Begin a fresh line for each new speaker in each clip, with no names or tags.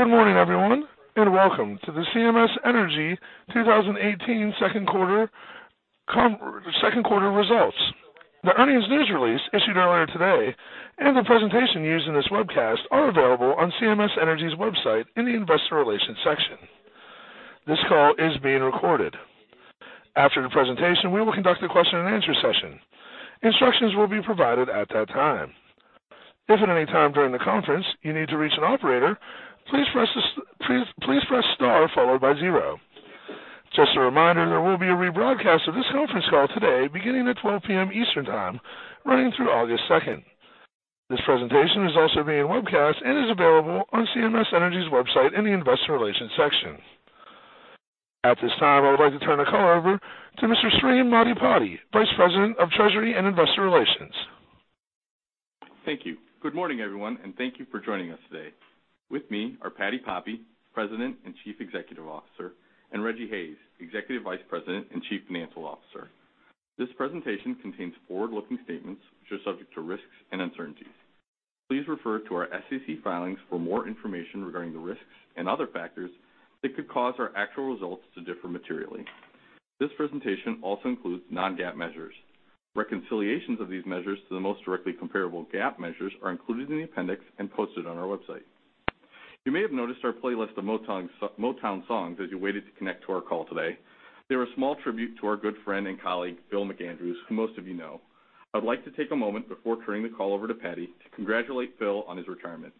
Good morning, everyone. Welcome to the CMS Energy 2018 second quarter results. The earnings news release issued earlier today and the presentation used in this webcast are available on CMS Energy's website in the investor relations section. This call is being recorded. After the presentation, we will conduct a question and answer session. Instructions will be provided at that time. If at any time during the conference you need to reach an operator, please press star followed by zero. Just a reminder, there will be a rebroadcast of this conference call today beginning at 12:00 P.M. Eastern Time, running through August 2nd. This presentation is also being webcast and is available on CMS Energy's website in the investor relations section. At this time, I would like to turn the call over to Mr. Srikanth Maddipati, Vice President of Treasury and Investor Relations.
Thank you. Good morning, everyone. Thank you for joining us today. With me are Patti Poppe, President and Chief Executive Officer, and Rejji Hayes, Executive Vice President and Chief Financial Officer. This presentation contains forward-looking statements which are subject to risks and uncertainties. Please refer to our SEC filings for more information regarding the risks and other factors that could cause our actual results to differ materially. This presentation also includes non-GAAP measures. Reconciliations of these measures to the most directly comparable GAAP measures are included in the appendix and posted on our website. You may have noticed our playlist of Motown songs as you waited to connect to our call today. They're a small tribute to our good friend and colleague, Bill McAndrews, who most of you know. I would like to take a moment before turning the call over to Patti to congratulate Bill on his retirement.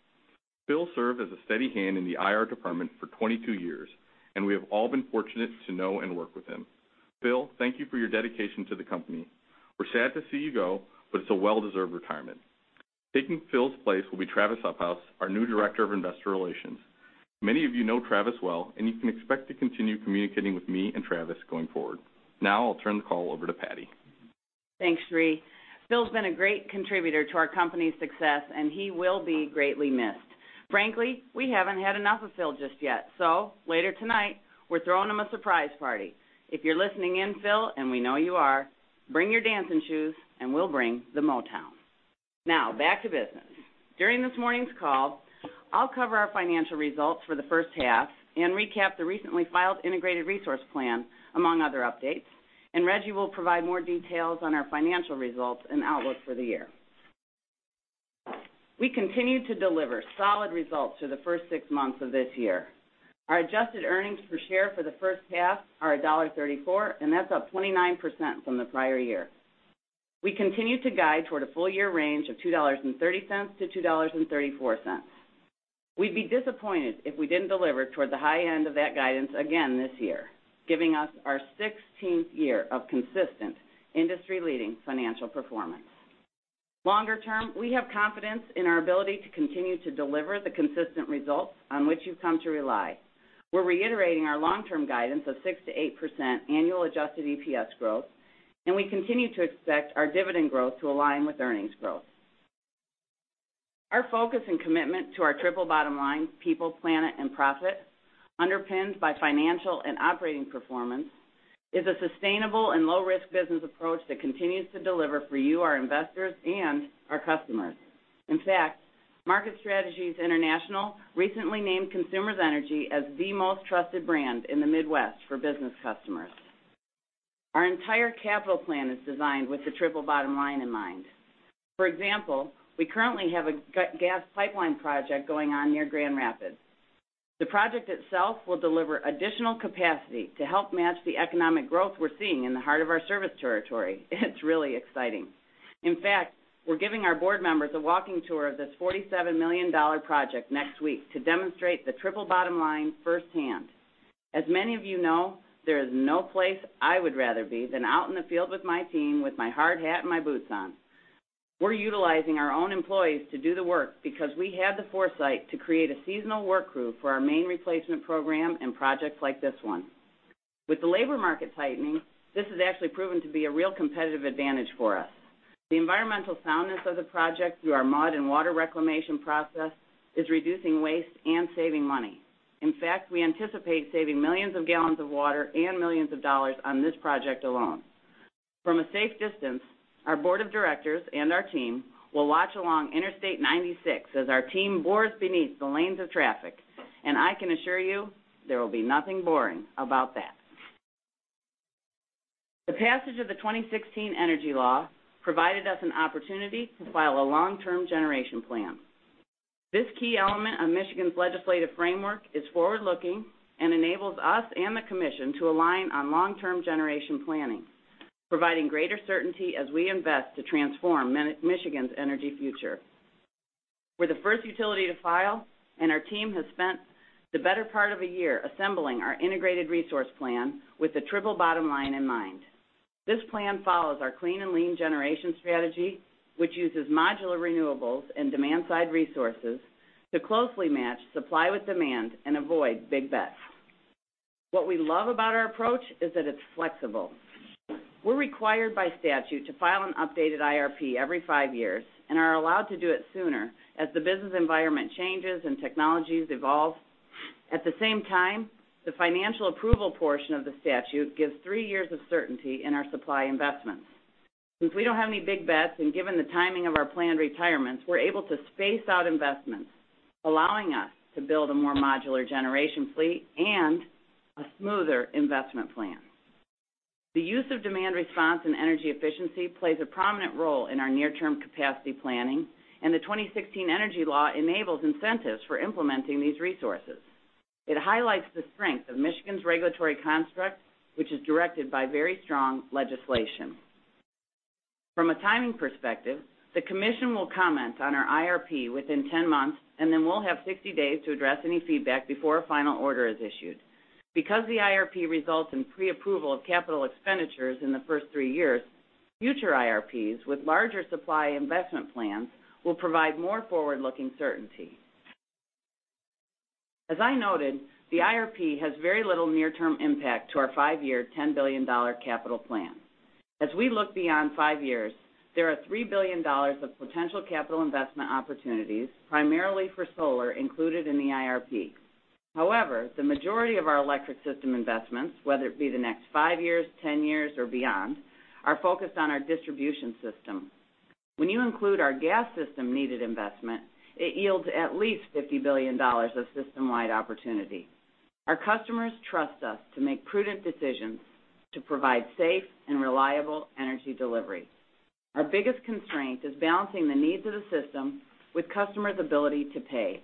Bill served as a steady hand in the IR department for 22 years. We have all been fortunate to know and work with him. Bill, thank you for your dedication to the company. We're sad to see you go. It's a well-deserved retirement. Taking Bill's place will be Travis Uphaus, our new Director of Investor Relations. Many of you know Travis well. You can expect to continue communicating with me and Travis going forward. Now I'll turn the call over to Patti.
Thanks, Sri. Bill's been a great contributor to our company's success. He will be greatly missed. Frankly, we haven't had enough of Bill just yet. Later tonight we're throwing him a surprise party. If you're listening in, Bill, and we know you are, bring your dancing shoes and we'll bring the Motown. Now back to business. During this morning's call, I'll cover our financial results for the first half and recap the recently filed Integrated Resource Plan, among other updates. Rejji will provide more details on our financial results and outlook for the year. We continued to deliver solid results through the first six months of this year. Our adjusted earnings per share for the first half are $1.34. That's up 29% from the prior year. We continue to guide toward a full year range of $2.30-$2.34. We'd be disappointed if we didn't deliver toward the high end of that guidance again this year, giving us our 16th year of consistent industry-leading financial performance. Longer term, we have confidence in our ability to continue to deliver the consistent results on which you've come to rely. We're reiterating our long-term guidance of 6%-8% annual adjusted EPS growth. We continue to expect our dividend growth to align with earnings growth. Our focus and commitment to our triple bottom line, people, planet, and profit, underpinned by financial and operating performance, is a sustainable and low-risk business approach that continues to deliver for you, our investors and our customers. In fact, Market Strategies International recently named Consumers Energy as the most trusted brand in the Midwest for business customers. Our entire capital plan is designed with the triple bottom line in mind. For example, we currently have a gas pipeline project going on near Grand Rapids. The project itself will deliver additional capacity to help match the economic growth we're seeing in the heart of our service territory. It's really exciting. In fact, we're giving our board members a walking tour of this $47 million project next week to demonstrate the triple bottom line firsthand. As many of you know, there is no place I would rather be than out in the field with my team, with my hard hat and my boots on. We're utilizing our own employees to do the work because we had the foresight to create a seasonal work crew for our main replacement program and projects like this one. With the labor market tightening, this has actually proven to be a real competitive advantage for us. The environmental soundness of the project through our mud and water reclamation process is reducing waste and saving money. In fact, we anticipate saving millions of gallons of water and millions of dollars on this project alone. From a safe distance, our board of directors and our team will watch along Interstate 96 as our team bores beneath the lanes of traffic. I can assure you there will be nothing boring about that. The passage of the 2016 energy law provided us an opportunity to file a long-term generation plan. This key element of Michigan's legislative framework is forward-looking and enables us and the commission to align on long-term generation planning, providing greater certainty as we invest to transform Michigan's energy future. We're the first utility to file. Our team has spent the better part of a year assembling our Integrated Resource Plan with the triple bottom line in mind. This plan follows our Clean and Lean generation strategy, which uses modular renewables and demand-side resources to closely match supply with demand and avoid big bets. What we love about our approach is that it's flexible. We're required by statute to file an updated IRP every five years. Are allowed to do it sooner as the business environment changes and technologies evolve. At the same time, the financial approval portion of the statute gives three years of certainty in our supply investments. Since we don't have any big bets, and given the timing of our planned retirements, we're able to space out investments, allowing us to build a more modular generation fleet and a smoother investment plan. The use of demand response and energy efficiency plays a prominent role in our near-term capacity planning, and the 2016 energy law enables incentives for implementing these resources. It highlights the strength of Michigan's regulatory construct, which is directed by very strong legislation. From a timing perspective, the commission will comment on our IRP within 10 months, and then we'll have 60 days to address any feedback before a final order is issued. Because the IRP results in pre-approval of capital expenditures in the first 3 years, future IRPs with larger supply investment plans will provide more forward-looking certainty. As I noted, the IRP has very little near-term impact to our 5-year, $10 billion capital plan. As we look beyond 5 years, there are $3 billion of potential capital investment opportunities, primarily for solar, included in the IRP. However, the majority of our electric system investments, whether it be the next 5 years, 10 years, or beyond, are focused on our distribution system. When you include our gas system-needed investment, it yields at least $50 billion of system-wide opportunity. Our customers trust us to make prudent decisions to provide safe and reliable energy delivery. Our biggest constraint is balancing the needs of the system with customers' ability to pay.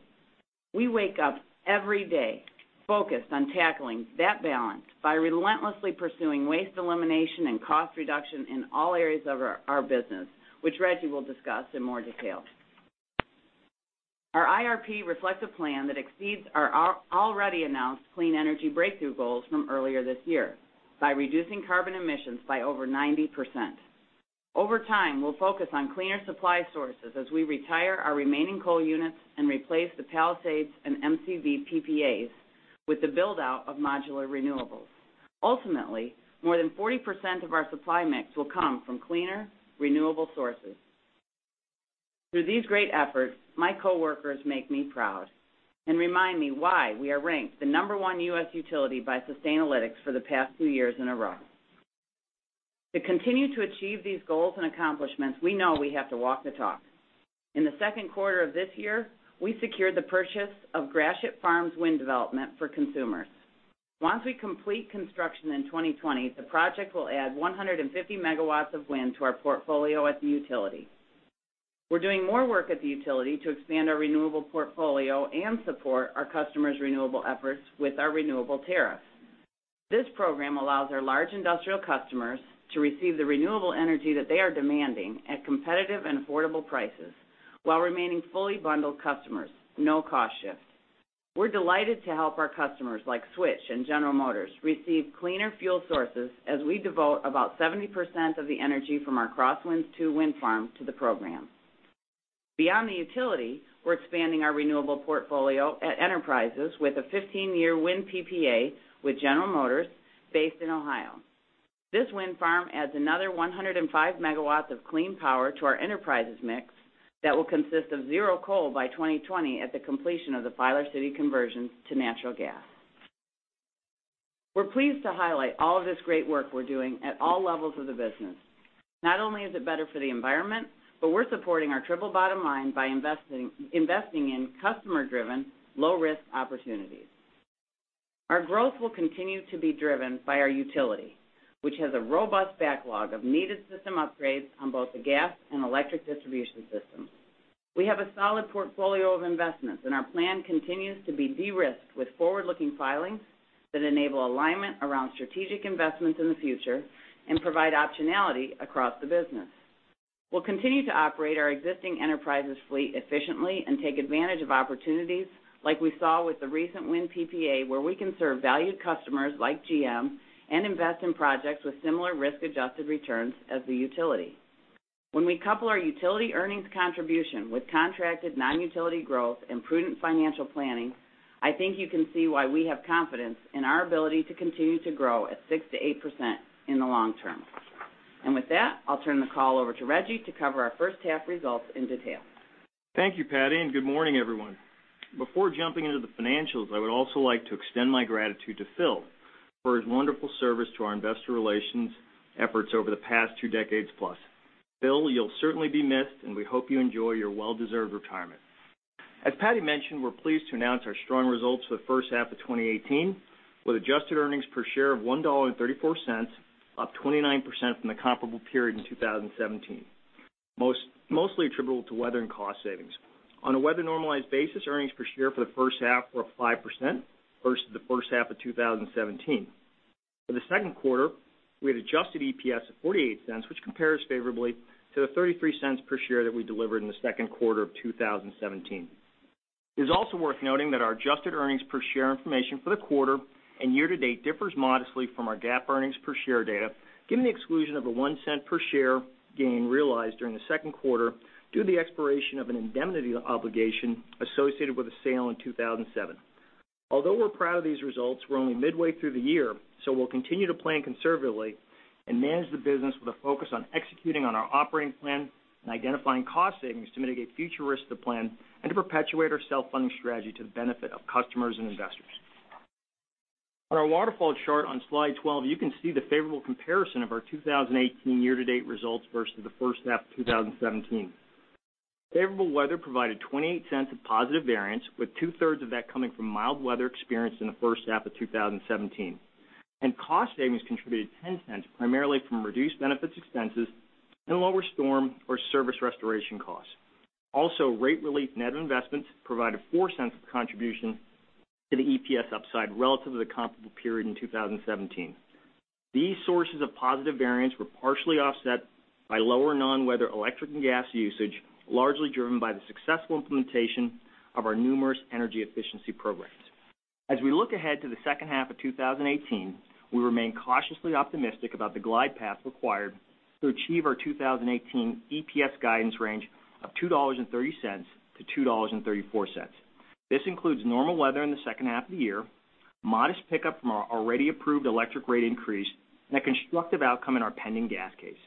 We wake up every day focused on tackling that balance by relentlessly pursuing waste elimination and cost reduction in all areas of our business, which Rejji will discuss in more detail. Our IRP reflects a plan that exceeds our already announced clean energy breakthrough goals from earlier this year by reducing carbon emissions by over 90%. Over time, we'll focus on cleaner supply sources as we retire our remaining coal units and replace the Palisades and MCV PPAs with the build-out of modular renewables. Ultimately, more than 40% of our supply mix will come from cleaner, renewable sources. Through these great efforts, my coworkers make me proud and remind me why we are ranked the number one U.S. utility by Sustainalytics for the past 2 years in a row. To continue to achieve these goals and accomplishments, we know we have to walk the talk. In the second quarter of this year, we secured the purchase of Gratiot Farms Wind Project for Consumers. Once we complete construction in 2020, the project will add 150 megawatts of wind to our portfolio at the utility. We're doing more work at the utility to expand our renewable portfolio and support our customers' renewable efforts with our renewable tariffs. This program allows our large industrial customers to receive the renewable energy that they are demanding at competitive and affordable prices while remaining fully bundled customers, no cost shifts. We're delighted to help our customers like Switch and General Motors receive cleaner fuel sources as we devote about 70% of the energy from our Cross Winds Energy Park II to the program. Beyond the utility, we're expanding our renewable portfolio at Enterprises with a 15-year wind PPA with General Motors based in Ohio. This wind farm adds another 105 megawatts of clean power to our Enterprises mix that will consist of zero coal by 2020 at the completion of the Filer City conversion to natural gas. We're pleased to highlight all of this great work we're doing at all levels of the business. Not only is it better for the environment, we're supporting our triple bottom line by investing in customer-driven, low-risk opportunities. Our growth will continue to be driven by our utility, which has a robust backlog of needed system upgrades on both the gas and electric distribution systems. We have a solid portfolio of investments, and our plan continues to be de-risked with forward-looking filings that enable alignment around strategic investments in the future and provide optionality across the business. We'll continue to operate our existing CMS Enterprises fleet efficiently and take advantage of opportunities like we saw with the recent wind PPA, where we can serve valued customers like GM and invest in projects with similar risk-adjusted returns as the utility. When we couple our utility earnings contribution with contracted non-utility growth and prudent financial planning, I think you can see why we have confidence in our ability to continue to grow at 6%-8% in the long term. With that, I'll turn the call over to Rejji to cover our first half results in detail.
Thank you, Patti, good morning, everyone. Before jumping into the financials, I would also like to extend my gratitude to Bill for his wonderful service to our investor relations efforts over the past two decades plus. Phil, you'll certainly be missed, and we hope you enjoy your well-deserved retirement. As Patti mentioned, we're pleased to announce our strong results for the first half of 2018, with adjusted earnings per share of $1.34, up 29% from the comparable period in 2017, mostly attributable to weather and cost savings. On a weather-normalized basis, earnings per share for the first half were up 5% versus the first half of 2017. For the second quarter, we had adjusted EPS of $0.48, which compares favorably to the $0.33 per share that we delivered in the second quarter of 2017. It is also worth noting that our adjusted earnings per share information for the quarter and year to date differs modestly from our GAAP earnings per share data, given the exclusion of a $0.01 per share gain realized during the second quarter due to the expiration of an indemnity obligation associated with a sale in 2007. Although we're proud of these results, we're only midway through the year, we'll continue to plan conservatively and manage the business with a focus on executing on our operating plan and identifying cost savings to mitigate future risks to the plan and to perpetuate our self-funding strategy to the benefit of customers and investors. On our waterfall chart on slide 12, you can see the favorable comparison of our 2018 year-to-date results versus the first half of 2017. Favorable weather provided $0.28 of positive variance, with two-thirds of that coming from mild weather experienced in the first half of 2017. Cost savings contributed $0.10, primarily from reduced benefits expenses and lower storm or service restoration costs. Also, rate relief net investments provided $0.04 of contribution to the EPS upside relative to the comparable period in 2017. These sources of positive variance were partially offset by lower non-weather electric and gas usage, largely driven by the successful implementation of our numerous energy efficiency programs. As we look ahead to the second half of 2018, we remain cautiously optimistic about the glide path required to achieve our 2018 EPS guidance range of $2.30-$2.34. This includes normal weather in the second half of the year, modest pickup from our already approved electric rate increase, and a constructive outcome in our pending gas case.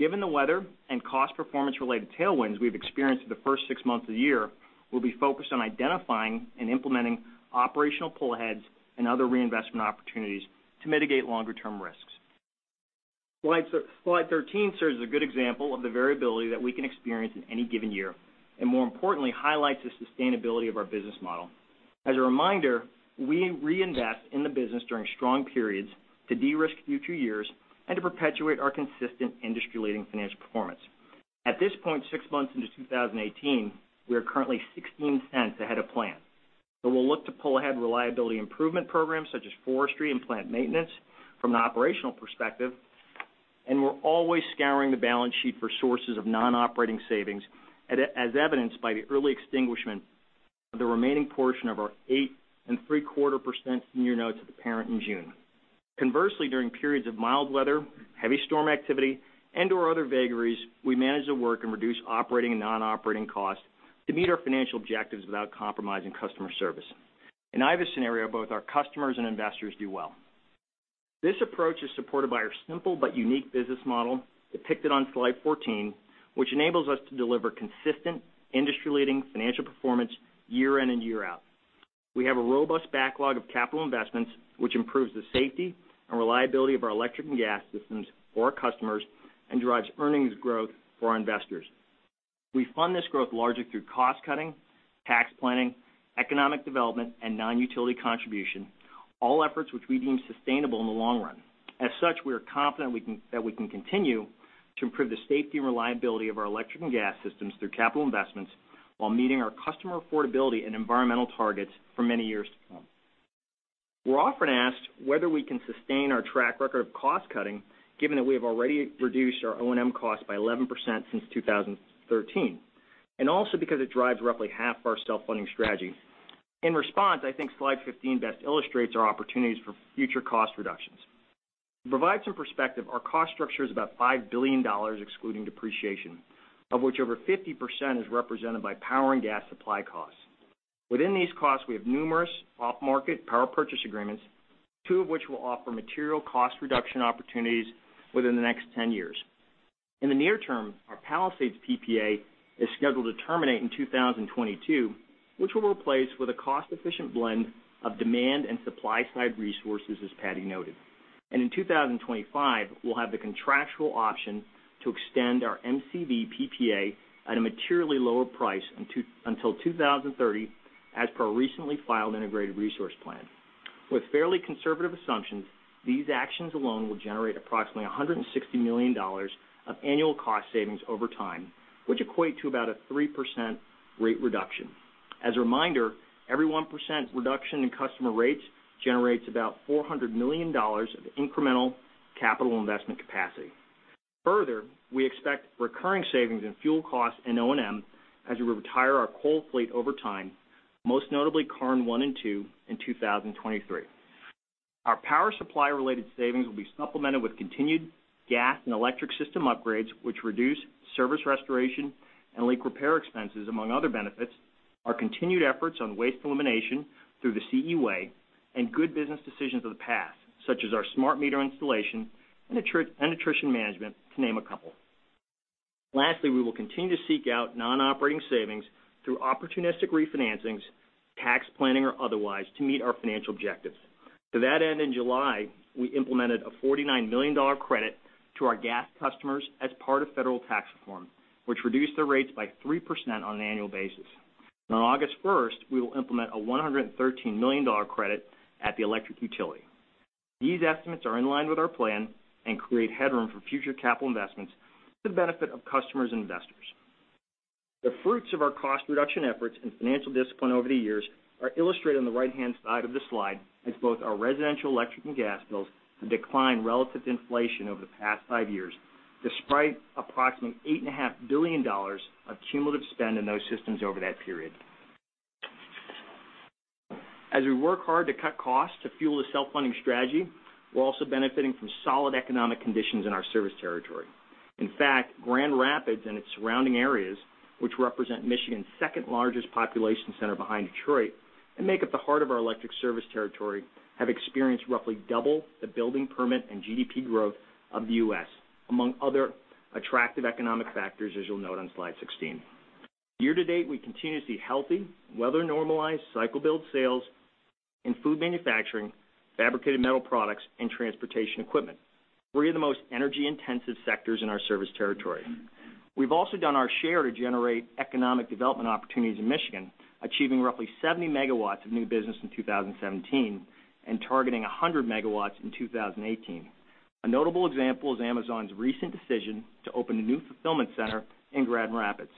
Given the weather and cost performance-related tailwinds we've experienced through the first six months of the year, we'll be focused on identifying and implementing operational pull-aheads and other reinvestment opportunities to mitigate longer-term risks. Slide 13 serves as a good example of the variability that we can experience in any given year, and more importantly, highlights the sustainability of our business model. As a reminder, we reinvest in the business during strong periods to de-risk future years and to perpetuate our consistent industry-leading financial performance. At this point, six months into 2018, we are currently $0.16 ahead of plan. We'll look to pull ahead reliability improvement programs such as forestry and plant maintenance from the operational perspective, and we're always scouring the balance sheet for sources of non-operating savings, as evidenced by the early extinguishment of the remaining portion of our 8.75% senior notes with the parent in June. Conversely, during periods of mild weather, heavy storm activity, and/or other vagaries, we manage the work and reduce operating and non-operating costs to meet our financial objectives without compromising customer service. In either scenario, both our customers and investors do well. This approach is supported by our simple but unique business model depicted on slide 14, which enables us to deliver consistent industry-leading financial performance year in and year out. We have a robust backlog of capital investments, which improves the safety and reliability of our electric and gas systems for our customers and drives earnings growth for our investors. We fund this growth largely through cost-cutting, tax planning, economic development, and non-utility contribution, all efforts which we deem sustainable in the long run. As such, we are confident that we can continue to improve the safety and reliability of our electric and gas systems through capital investments while meeting our customer affordability and environmental targets for many years to come. We're often asked whether we can sustain our track record of cost-cutting, given that we have already reduced our O&M costs by 11% since 2013, and also because it drives roughly half of our self-funding strategy. In response, I think slide 15 best illustrates our opportunities for future cost reductions. To provide some perspective, our cost structure is about $5 billion, excluding depreciation, of which over 50% is represented by power and gas supply costs. Within these costs, we have numerous off-market power purchase agreements, two of which will offer material cost reduction opportunities within the next 10 years. In the near term, our Palisades PPA is scheduled to terminate in 2022, which we'll replace with a cost-efficient blend of demand and supply-side resources, as Patti noted. In 2025, we'll have the contractual option to extend our MCV PPA at a materially lower price until 2030, as per our recently filed integrated resource plan. With fairly conservative assumptions, these actions alone will generate approximately $160 million of annual cost savings over time, which equate to about a 3% rate reduction. As a reminder, every 1% reduction in customer rates generates about $400 million of incremental capital investment capacity. Further, we expect recurring savings in fuel costs and O&M as we retire our coal fleet over time, most notably Karn 1 and 2 in 2023. Our power supply-related savings will be supplemented with continued gas and electric system upgrades, which reduce service restoration and leak repair expenses, among other benefits, our continued efforts on waste elimination through the CE Way, and good business decisions of the past, such as our smart meter installation and attrition management, to name a couple. Lastly, we will continue to seek out non-operating savings through opportunistic refinancings, tax planning or otherwise, to meet our financial objectives. To that end, in July, we implemented a $49 million credit to our gas customers as part of federal tax reform, which reduced their rates by 3% on an annual basis. On August 1st, we will implement a $113 million credit at the electric utility. These estimates are in line with our plan and create headroom for future capital investments to the benefit of customers and investors. The fruits of our cost reduction efforts and financial discipline over the years are illustrated on the right-hand side of this slide, as both our residential electric and gas bills have declined relative to inflation over the past five years, despite approximately $8.5 billion of cumulative spend in those systems over that period. As we work hard to cut costs to fuel the self-funding strategy, we're also benefiting from solid economic conditions in our service territory. In fact, Grand Rapids and its surrounding areas, which represent Michigan's second-largest population center behind Detroit and make up the heart of our electric service territory, have experienced roughly double the building permit and GDP growth of the U.S., among other attractive economic factors, as you'll note on slide 16. Year-to-date, we continue to see healthy weather-normalized cycle build sales in food manufacturing, fabricated metal products, and transportation equipment. Three of the most energy-intensive sectors in our service territory. We've also done our share to generate economic development opportunities in Michigan, achieving roughly 70 megawatts of new business in 2017 and targeting 100 megawatts in 2018. A notable example is Amazon's recent decision to open a new fulfillment center in Grand Rapids.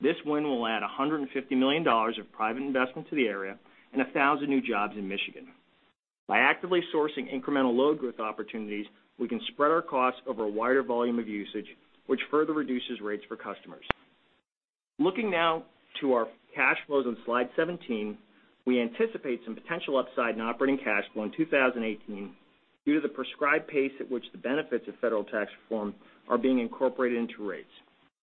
This win will add $150 million of private investment to the area and 1,000 new jobs in Michigan. By actively sourcing incremental load growth opportunities, we can spread our costs over a wider volume of usage, which further reduces rates for customers. Looking now to our cash flows on slide 17, we anticipate some potential upside in operating cash flow in 2018 due to the prescribed pace at which the benefits of federal tax reform are being incorporated into rates.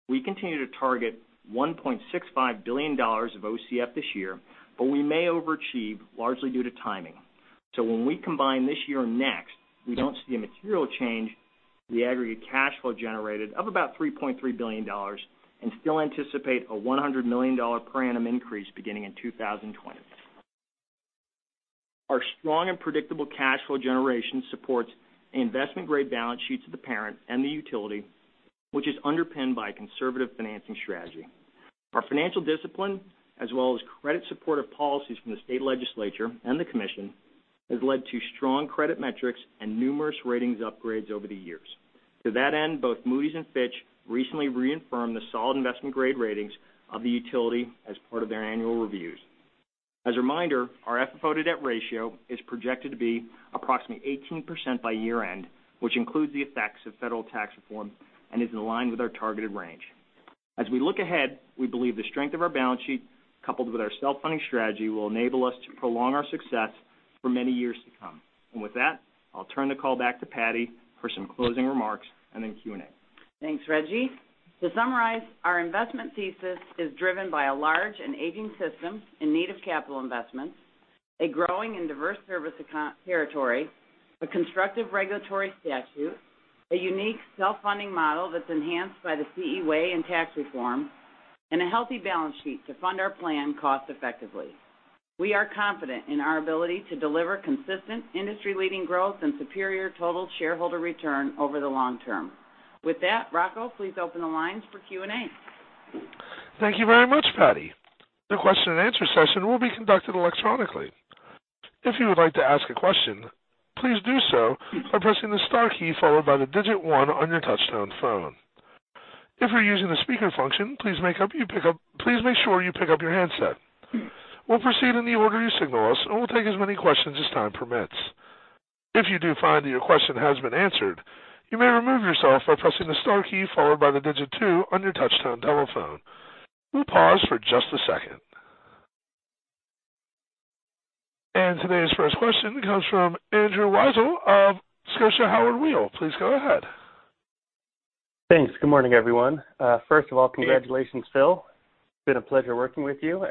We continue to target $1.65 billion of OCF this year, but we may overachieve largely due to timing. When we combine this year and next, we don't see a material change to the aggregate cash flow generated of about $3.3 billion and still anticipate a $100 million per annum increase beginning in 2020. Our strong and predictable cash flow generation supports the investment-grade balance sheets of the parent and the utility, which is underpinned by a conservative financing strategy. Our financial discipline, as well as credit supportive policies from the state legislature and the commission, has led to strong credit metrics and numerous ratings upgrades over the years. To that end, both Moody's and Fitch recently reaffirmed the solid investment-grade ratings of the utility as part of their annual reviews. As a reminder, our FFO debt ratio is projected to be approximately 18% by year-end, which includes the effects of federal tax reform and is in line with our targeted range. As we look ahead, we believe the strength of our balance sheet, coupled with our self-funding strategy, will enable us to prolong our success for many years to come. With that, I'll turn the call back to Patti for some closing remarks and then Q&A.
Thanks, Rejji. To summarize, our investment thesis is driven by a large and aging system in need of capital investments, a growing and diverse service territory, a constructive regulatory statute, a unique self-funding model that's enhanced by the CE Way and tax reform, and a healthy balance sheet to fund our plan cost effectively. We are confident in our ability to deliver consistent industry-leading growth and superior total shareholder return over the long term. With that, Rocco, please open the lines for Q&A.
Thank you very much, Patti. The question and answer session will be conducted electronically. If you would like to ask a question, please do so by pressing the star key followed by the digit 1 on your touchtone phone. If you're using the speaker function, please make sure you pick up your handset. We'll proceed in the order you signal us, and we'll take as many questions as time permits. If you do find that your question has been answered, you may remove yourself by pressing the star key followed by the digit 2 on your touchtone telephone. We'll pause for just a second. Today's first question comes from Andrew Weisel of Scotia Howard Weil. Please go ahead.
Thanks. Good morning, everyone. First of all, congratulations, Phil. It's been a pleasure working with you.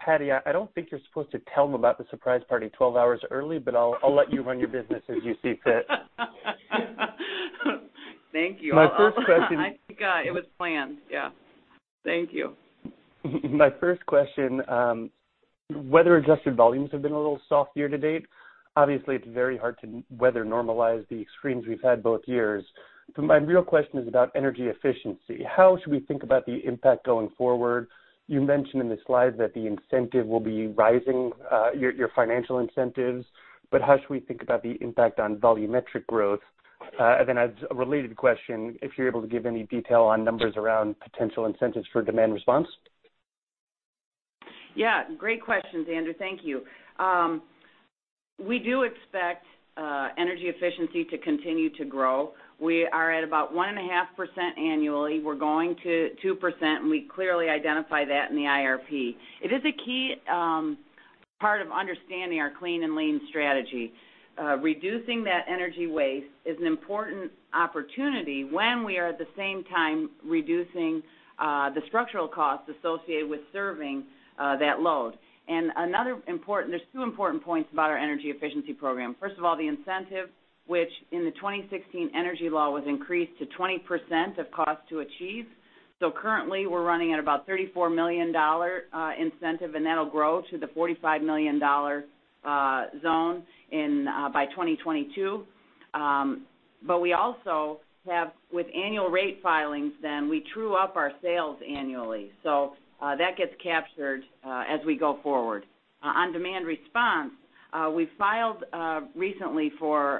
Patti, I don't think you're supposed to tell them about the surprise party 12 hours early, but I'll let you run your business as you see fit.
Thank you.
My first question.
I think it was planned. Yeah. Thank you.
My first question, weather-adjusted volumes have been a little soft year-to-date. Obviously, it's very hard to weather normalize the extremes we've had both years. My real question is about energy efficiency. How should we think about the impact going forward? You mentioned in the slides that the incentive will be rising, your financial incentives, how should we think about the impact on volumetric growth? As a related question, if you're able to give any detail on numbers around potential incentives for demand response.
Yeah, great questions, Andrew. Thank you. We do expect energy efficiency to continue to grow. We are at about 1.5% annually. We're going to 2%, we clearly identify that in the IRP. It is a key part of understanding our Clean and Lean strategy. Reducing that energy waste is an important opportunity when we are at the same time reducing the structural costs associated with serving that load. There's two important points about our energy efficiency program. First of all, the incentive, which in the 2016 energy law was increased to 20% of cost to achieve. Currently, we're running at about $34 million incentive, that'll grow to the $45 million zone by 2022. We also have, with annual rate filings, we true up our sales annually. That gets captured as we go forward. On demand response, we filed recently for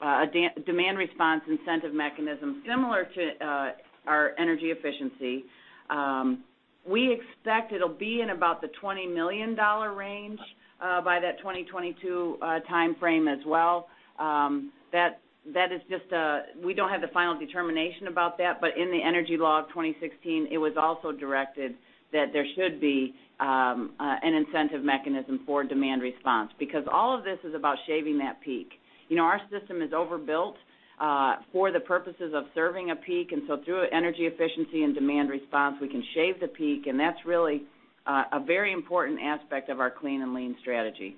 a demand response incentive mechanism similar to our energy efficiency. We expect it'll be in about the $20 million range by that 2022 timeframe as well. We don't have the final determination about that, in the Energy Law of 2016, it was also directed that there should be an incentive mechanism for demand response because all of this is about shaving that peak. Our system is overbuilt for the purposes of serving a peak, through energy efficiency and demand response, we can shave the peak, that's really a very important aspect of our Clean and Lean strategy.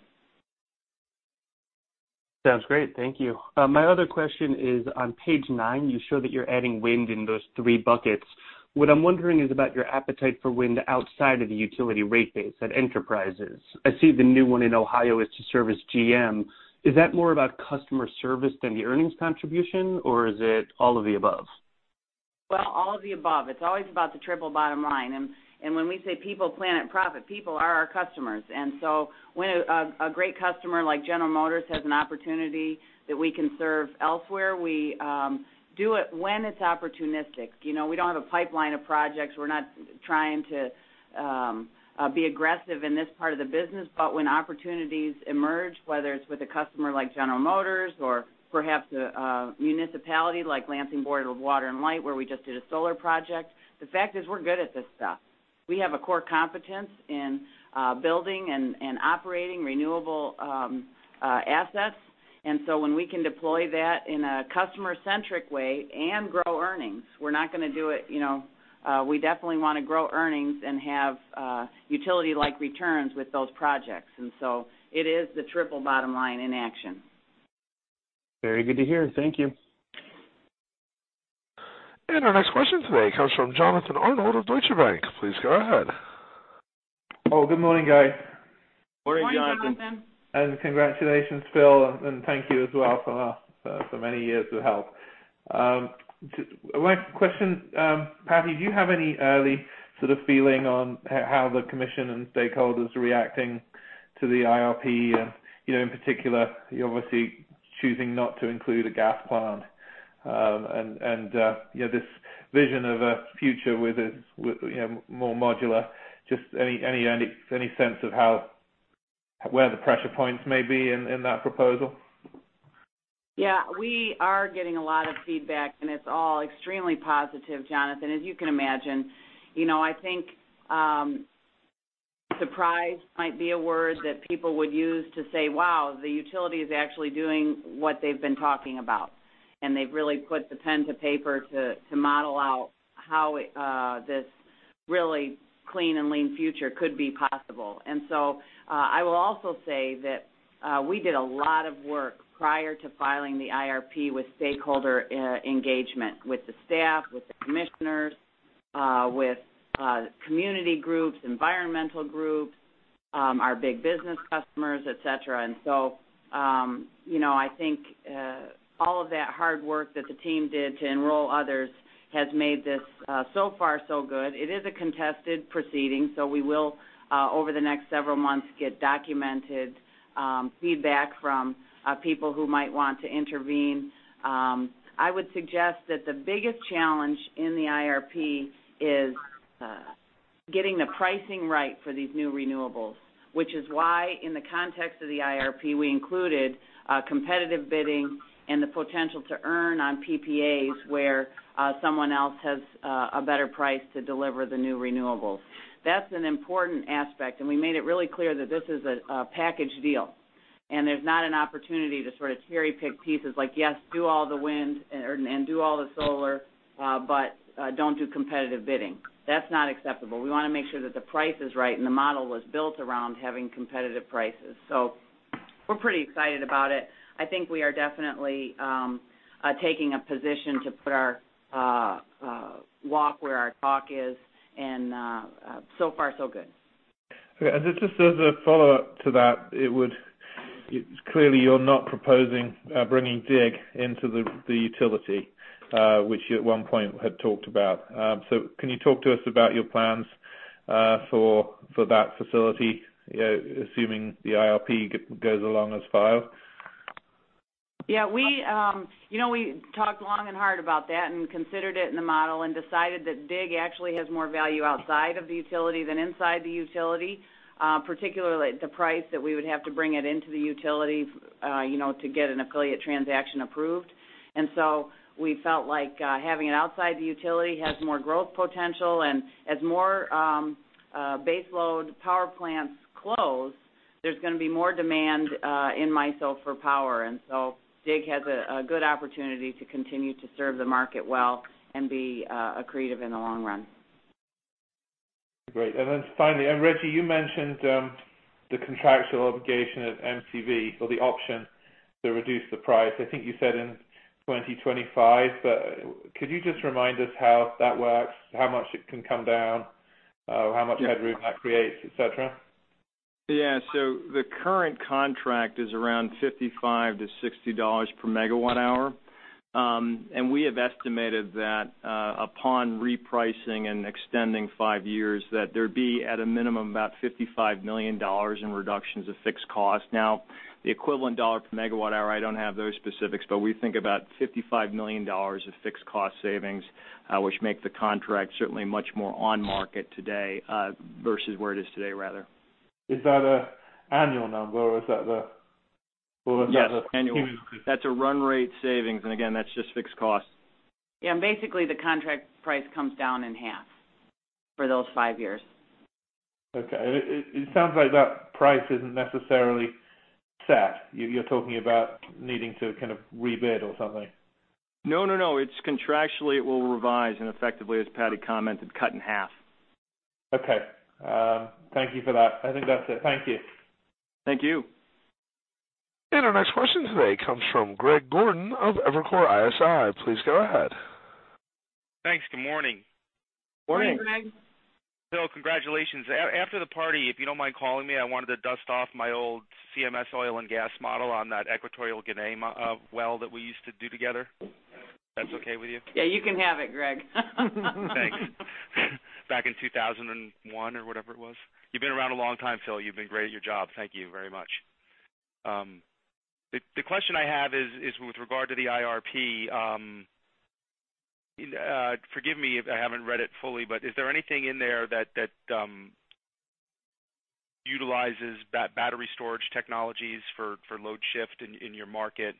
Sounds great. Thank you. My other question is on page nine, you show that you're adding wind in those three buckets. What I'm wondering is about your appetite for wind outside of the utility rate base at enterprises. I see the new one in Ohio is to service GM. Is that more about customer service than the earnings contribution, or is it all of the above?
Well, all of the above. It's always about the triple bottom line. When we say people, planet, profit, people are our customers. When a great customer like General Motors has an opportunity that we can serve elsewhere, we do it when it's opportunistic. We don't have a pipeline of projects. We're not trying to be aggressive in this part of the business. When opportunities emerge, whether it's with a customer like General Motors or perhaps a municipality like Lansing Board of Water & Light, where we just did a solar project, the fact is we're good at this stuff. We have a core competence in building and operating renewable assets. When we can deploy that in a customer-centric way and grow earnings, we're not going to do it. We definitely want to grow earnings and have utility-like returns with those projects. It is the triple bottom line in action.
Very good to hear. Thank you.
Our next question today comes from Jonathan Arnold of Deutsche Bank. Please go ahead.
Oh, good morning, guys.
Morning, Jonathan.
Morning, Jonathan.
Congratulations, Phil, and thank you as well for many years of help. My question, Patti, do you have any early sort of feeling on how the commission and stakeholders are reacting to the IRP and in particular, you're obviously choosing not to include a gas plant? This vision of a future with this more modular, just any sense of where the pressure points may be in that proposal?
Yeah. We are getting a lot of feedback, and it's all extremely positive, Jonathan, as you can imagine. I think surprise might be a word that people would use to say, "Wow, the utility is actually doing what they've been talking about." They've really put the pen to paper to model out how this really Clean and Lean future could be possible. I will also say that we did a lot of work prior to filing the IRP with stakeholder engagement with the staff, with the commissioners, with community groups, environmental groups, our big business customers, et cetera. I think all of that hard work that the team did to enroll others has made this so far so good. It is a contested proceeding, so we will, over the next several months, get documented feedback from people who might want to intervene. I would suggest that the biggest challenge in the IRP is getting the pricing right for these new renewables, which is why, in the context of the IRP, we included competitive bidding and the potential to earn on PPAs where someone else has a better price to deliver the new renewables. That's an important aspect. We made it really clear that this is a package deal, and there's not an opportunity to sort of cherry-pick pieces like, yes, do all the wind and do all the solar, but don't do competitive bidding. That's not acceptable. We want to make sure that the price is right, and the model was built around having competitive prices. We're pretty excited about it. I think we are definitely taking a position to put our walk where our talk is, and so far so good.
Okay. Just as a follow-up to that, clearly you're not proposing bringing DIG into the utility, which you at one point had talked about. Can you talk to us about your plans for that facility, assuming the IRP goes along as filed?
Yeah. We talked long and hard about that and considered it in the model and decided that DIG actually has more value outside of the utility than inside the utility, particularly at the price that we would have to bring it into the utility to get an affiliate transaction approved. We felt like having it outside the utility has more growth potential, and as more base load power plants close, there's going to be more demand in MISO for power. DIG has a good opportunity to continue to serve the market well and be accretive in the long run.
Finally, Reggie, you mentioned the contractual obligation of MCV or the option to reduce the price. I think you said in 2025, but could you just remind us how that works, how much it can come down, how much headroom that creates, et cetera?
The current contract is around $55 to $60 per megawatt hour. We have estimated that upon repricing and extending 5 years, that there'd be, at a minimum, about $55 million in reductions of fixed cost. The equivalent dollar per megawatt hour, I don't have those specifics, but we think about $55 million of fixed cost savings, which make the contract certainly much more on market today versus where it is today, rather.
Is that an annual number, or is that the-
Yes, annual. That's a run rate savings. Again, that's just fixed cost.
Yeah, basically the contract price comes down in half for those five years.
Okay. It sounds like that price isn't necessarily set. You're talking about needing to kind of rebid or something.
No, no. It's contractually it will revise, and effectively, as Patty commented, cut in half.
Okay. Thank you for that. I think that's it. Thank you.
Thank you.
Our next question today comes from Greg Gordon of Evercore ISI. Please go ahead.
Thanks. Good morning. Morning.
Morning, Greg.
Phil, congratulations. After the party, if you don't mind calling me, I wanted to dust off my old CMS Oil & Gas model on that Equatorial Guinea well that we used to do together, if that's okay with you.
Yeah, you can have it, Greg.
Thanks. Back in 2001 or whatever it was. You've been around a long time, Phil. You've been great at your job. Thank you very much. The question I have is with regard to the IRP. Forgive me if I haven't read it fully, but is there anything in there that utilizes battery storage technologies for load shift in your market?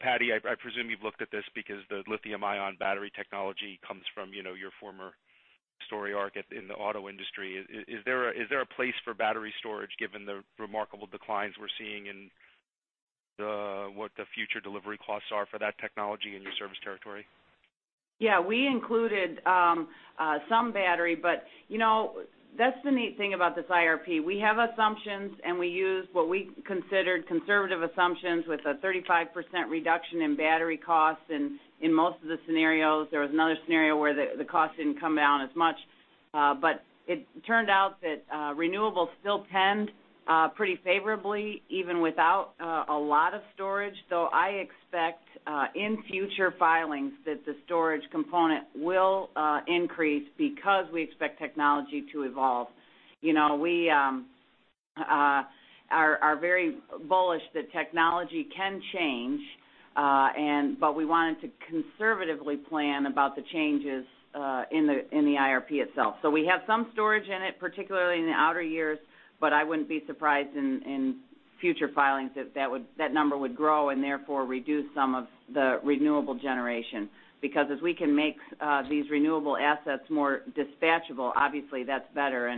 Patti, I presume you've looked at this because the lithium-ion battery technology comes from your former story arc in the auto industry. Is there a place for battery storage given the remarkable declines we're seeing in what the future delivery costs are for that technology in your service territory?
Yeah, we included some battery, but that's the neat thing about this IRP. We have assumptions, and we use what we considered conservative assumptions with a 35% reduction in battery costs in most of the scenarios. There was another scenario where the cost didn't come down as much. It turned out that renewables still tend pretty favorably, even without a lot of storage, though I expect in future filings that the storage component will increase because we expect technology to evolve. We are very bullish that technology can change, but we wanted to conservatively plan about the changes in the IRP itself. We have some storage in it, particularly in the outer years, but I wouldn't be surprised in future filings if that number would grow and therefore reduce some of the renewable generation. As we can make these renewable assets more dispatchable, obviously that's better.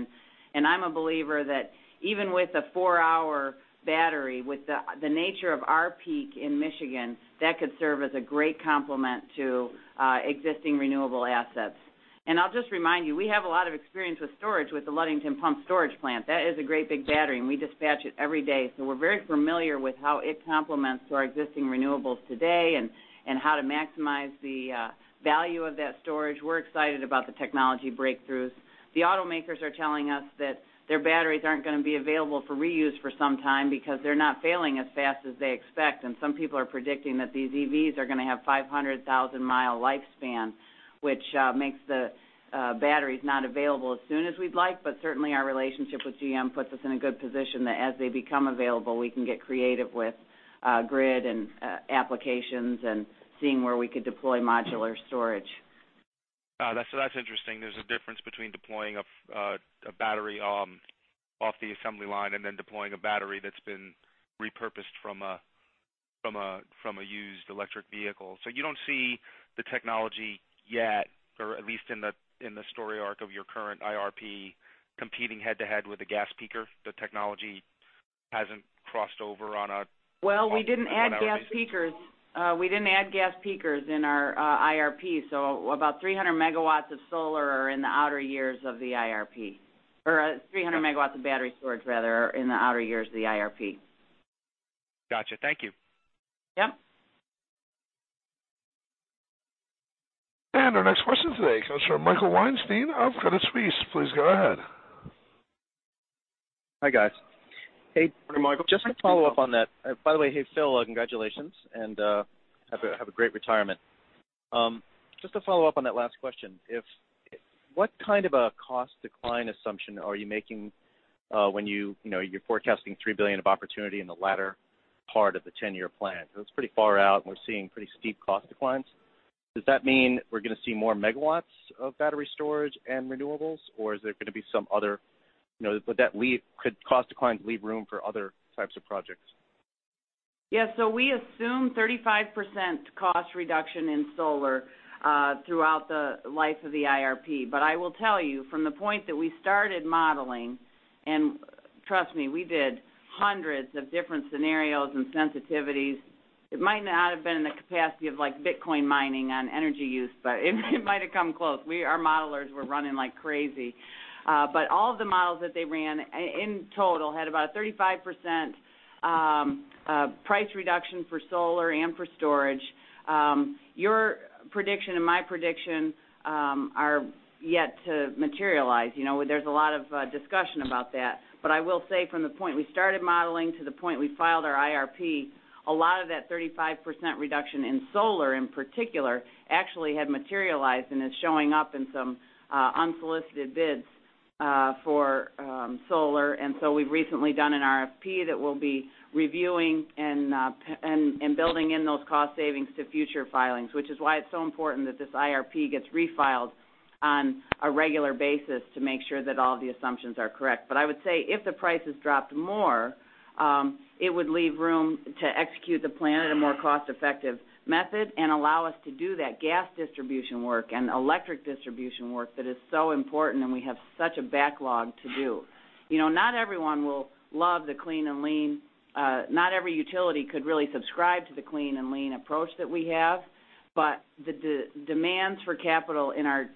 I'm a believer that even with a four-hour battery, with the nature of our peak in Michigan, that could serve as a great complement to existing renewable assets. I'll just remind you, we have a lot of experience with storage with the Ludington Pumped Storage Plant. That is a great big battery, and we dispatch it every day. We're very familiar with how it complements to our existing renewables today and how to maximize the value of that storage. We're excited about the technology breakthroughs. The automakers are telling us that their batteries aren't going to be available for reuse for some time because they're not failing as fast as they expect. Some people are predicting that these EVs are going to have 500,000-mile lifespan, which makes the batteries not available as soon as we'd like. Certainly, our relationship with GM puts us in a good position that as they become available, we can get creative with grid and applications and seeing where we could deploy modular storage.
That's interesting. There's a difference between deploying a battery off the assembly line and then deploying a battery that's been repurposed from a used electric vehicle. You don't see the technology yet, or at least in the story arc of your current IRP, competing head to head with a gas peaker.
We didn't add gas peakers. We didn't add gas peakers in our IRP, about 300 megawatts of solar are in the outer years of the IRP, or 300 megawatts of battery storage, rather, are in the outer years of the IRP.
Got you. Thank you.
Yep.
Our next question today comes from Michael Weinstein of Credit Suisse. Please go ahead.
Hi, guys.
Morning, Michael.
Just to follow up on that. By the way, hey, Phil, congratulations, and have a great retirement. Just to follow up on that last question, what kind of a cost decline assumption are you making when you're forecasting $3 billion of opportunity in the latter part of the 10-year plan? Because it's pretty far out, and we're seeing pretty steep cost declines. Does that mean we're going to see more MW of battery storage and renewables, or could cost declines leave room for other types of projects?
Yeah. We assume 35% cost reduction in solar throughout the life of the IRP. I will tell you, from the point that we started modeling, and trust me, we did hundreds of different scenarios and sensitivities. It might not have been in the capacity of Bitcoin mining on energy use, but it might have come close. Our modelers were running like crazy. All of the models that they ran in total had about a 35% price reduction for solar and for storage. Your prediction and my prediction are yet to materialize. There's a lot of discussion about that. I will say from the point we started modeling to the point we filed our IRP, a lot of that 35% reduction in solar, in particular, actually had materialized and is showing up in some unsolicited bids for solar. We've recently done an RFP that we'll be reviewing and building in those cost savings to future filings, which is why it's so important that this IRP gets refiled on a regular basis to make sure that all the assumptions are correct. I would say if the prices dropped more, it would leave room to execute the plan at a more cost-effective method and allow us to do that gas distribution work and electric distribution work that is so important, and we have such a backlog to do. Not everyone will love the Clean and Lean. Not every utility could really subscribe to the Clean and Lean approach that we have, but the demands for capital in our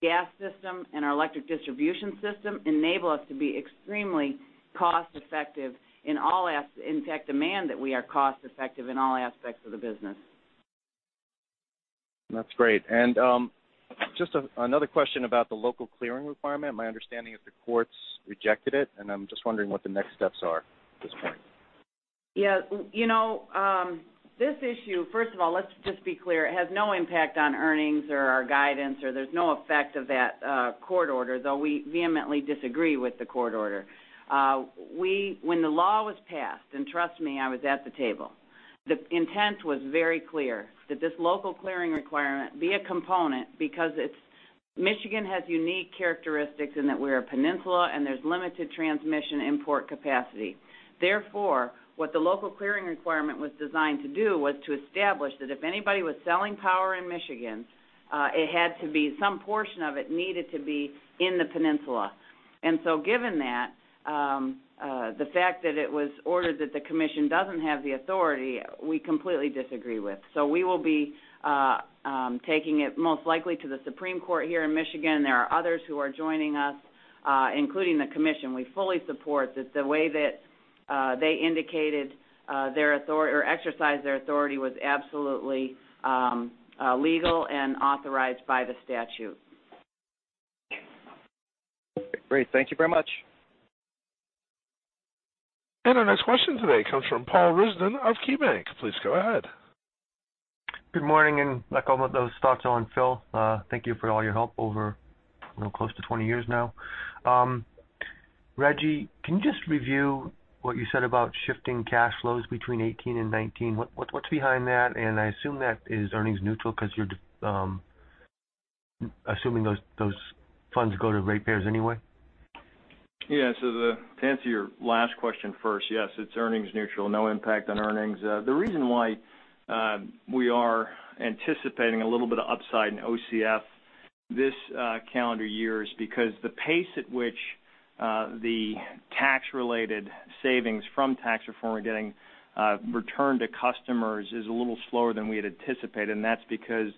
gas system and our electric distribution system enable us to be extremely cost-effective. In fact, demand that we are cost-effective in all aspects of the business.
That's great. Just another question about the Local Clearing Requirement. My understanding is the courts rejected it, and I'm just wondering what the next steps are at this point.
This issue, first of all, let's just be clear, it has no impact on earnings or our guidance, or there's no effect of that court order, though we vehemently disagree with the court order. When the law was passed, and trust me, I was at the table, the intent was very clear that this local clearing requirement be a component because Michigan has unique characteristics in that we're a peninsula, and there's limited transmission import capacity. Therefore, what the local clearing requirement was designed to do was to establish that if anybody was selling power in Michigan, some portion of it needed to be in the peninsula. Given that, the fact that it was ordered that the commission doesn't have the authority, we completely disagree with. We will be taking it most likely to the Supreme Court here in Michigan. There are others who are joining us, including the commission. We fully support that the way that they indicated or exercised their authority was absolutely legal and authorized by the statute.
Great. Thank you very much.
Our next question today comes from Paul Ridzon of KeyBanc. Please go ahead.
Good morning, like all of those thoughts on Phil, thank you for all your help over close to 20 years now. Reggie, can you just review what you said about shifting cash flows between 2018 and 2019? What's behind that? I assume that is earnings neutral because you're assuming those funds go to ratepayers anyway.
Yeah. To answer your last question first, yes, it's earnings neutral. No impact on earnings. The reason why we are anticipating a little bit of upside in OCF this calendar year is because the pace at which the tax-related savings from tax reform are getting returned to customers is a little slower than we had anticipated, that's because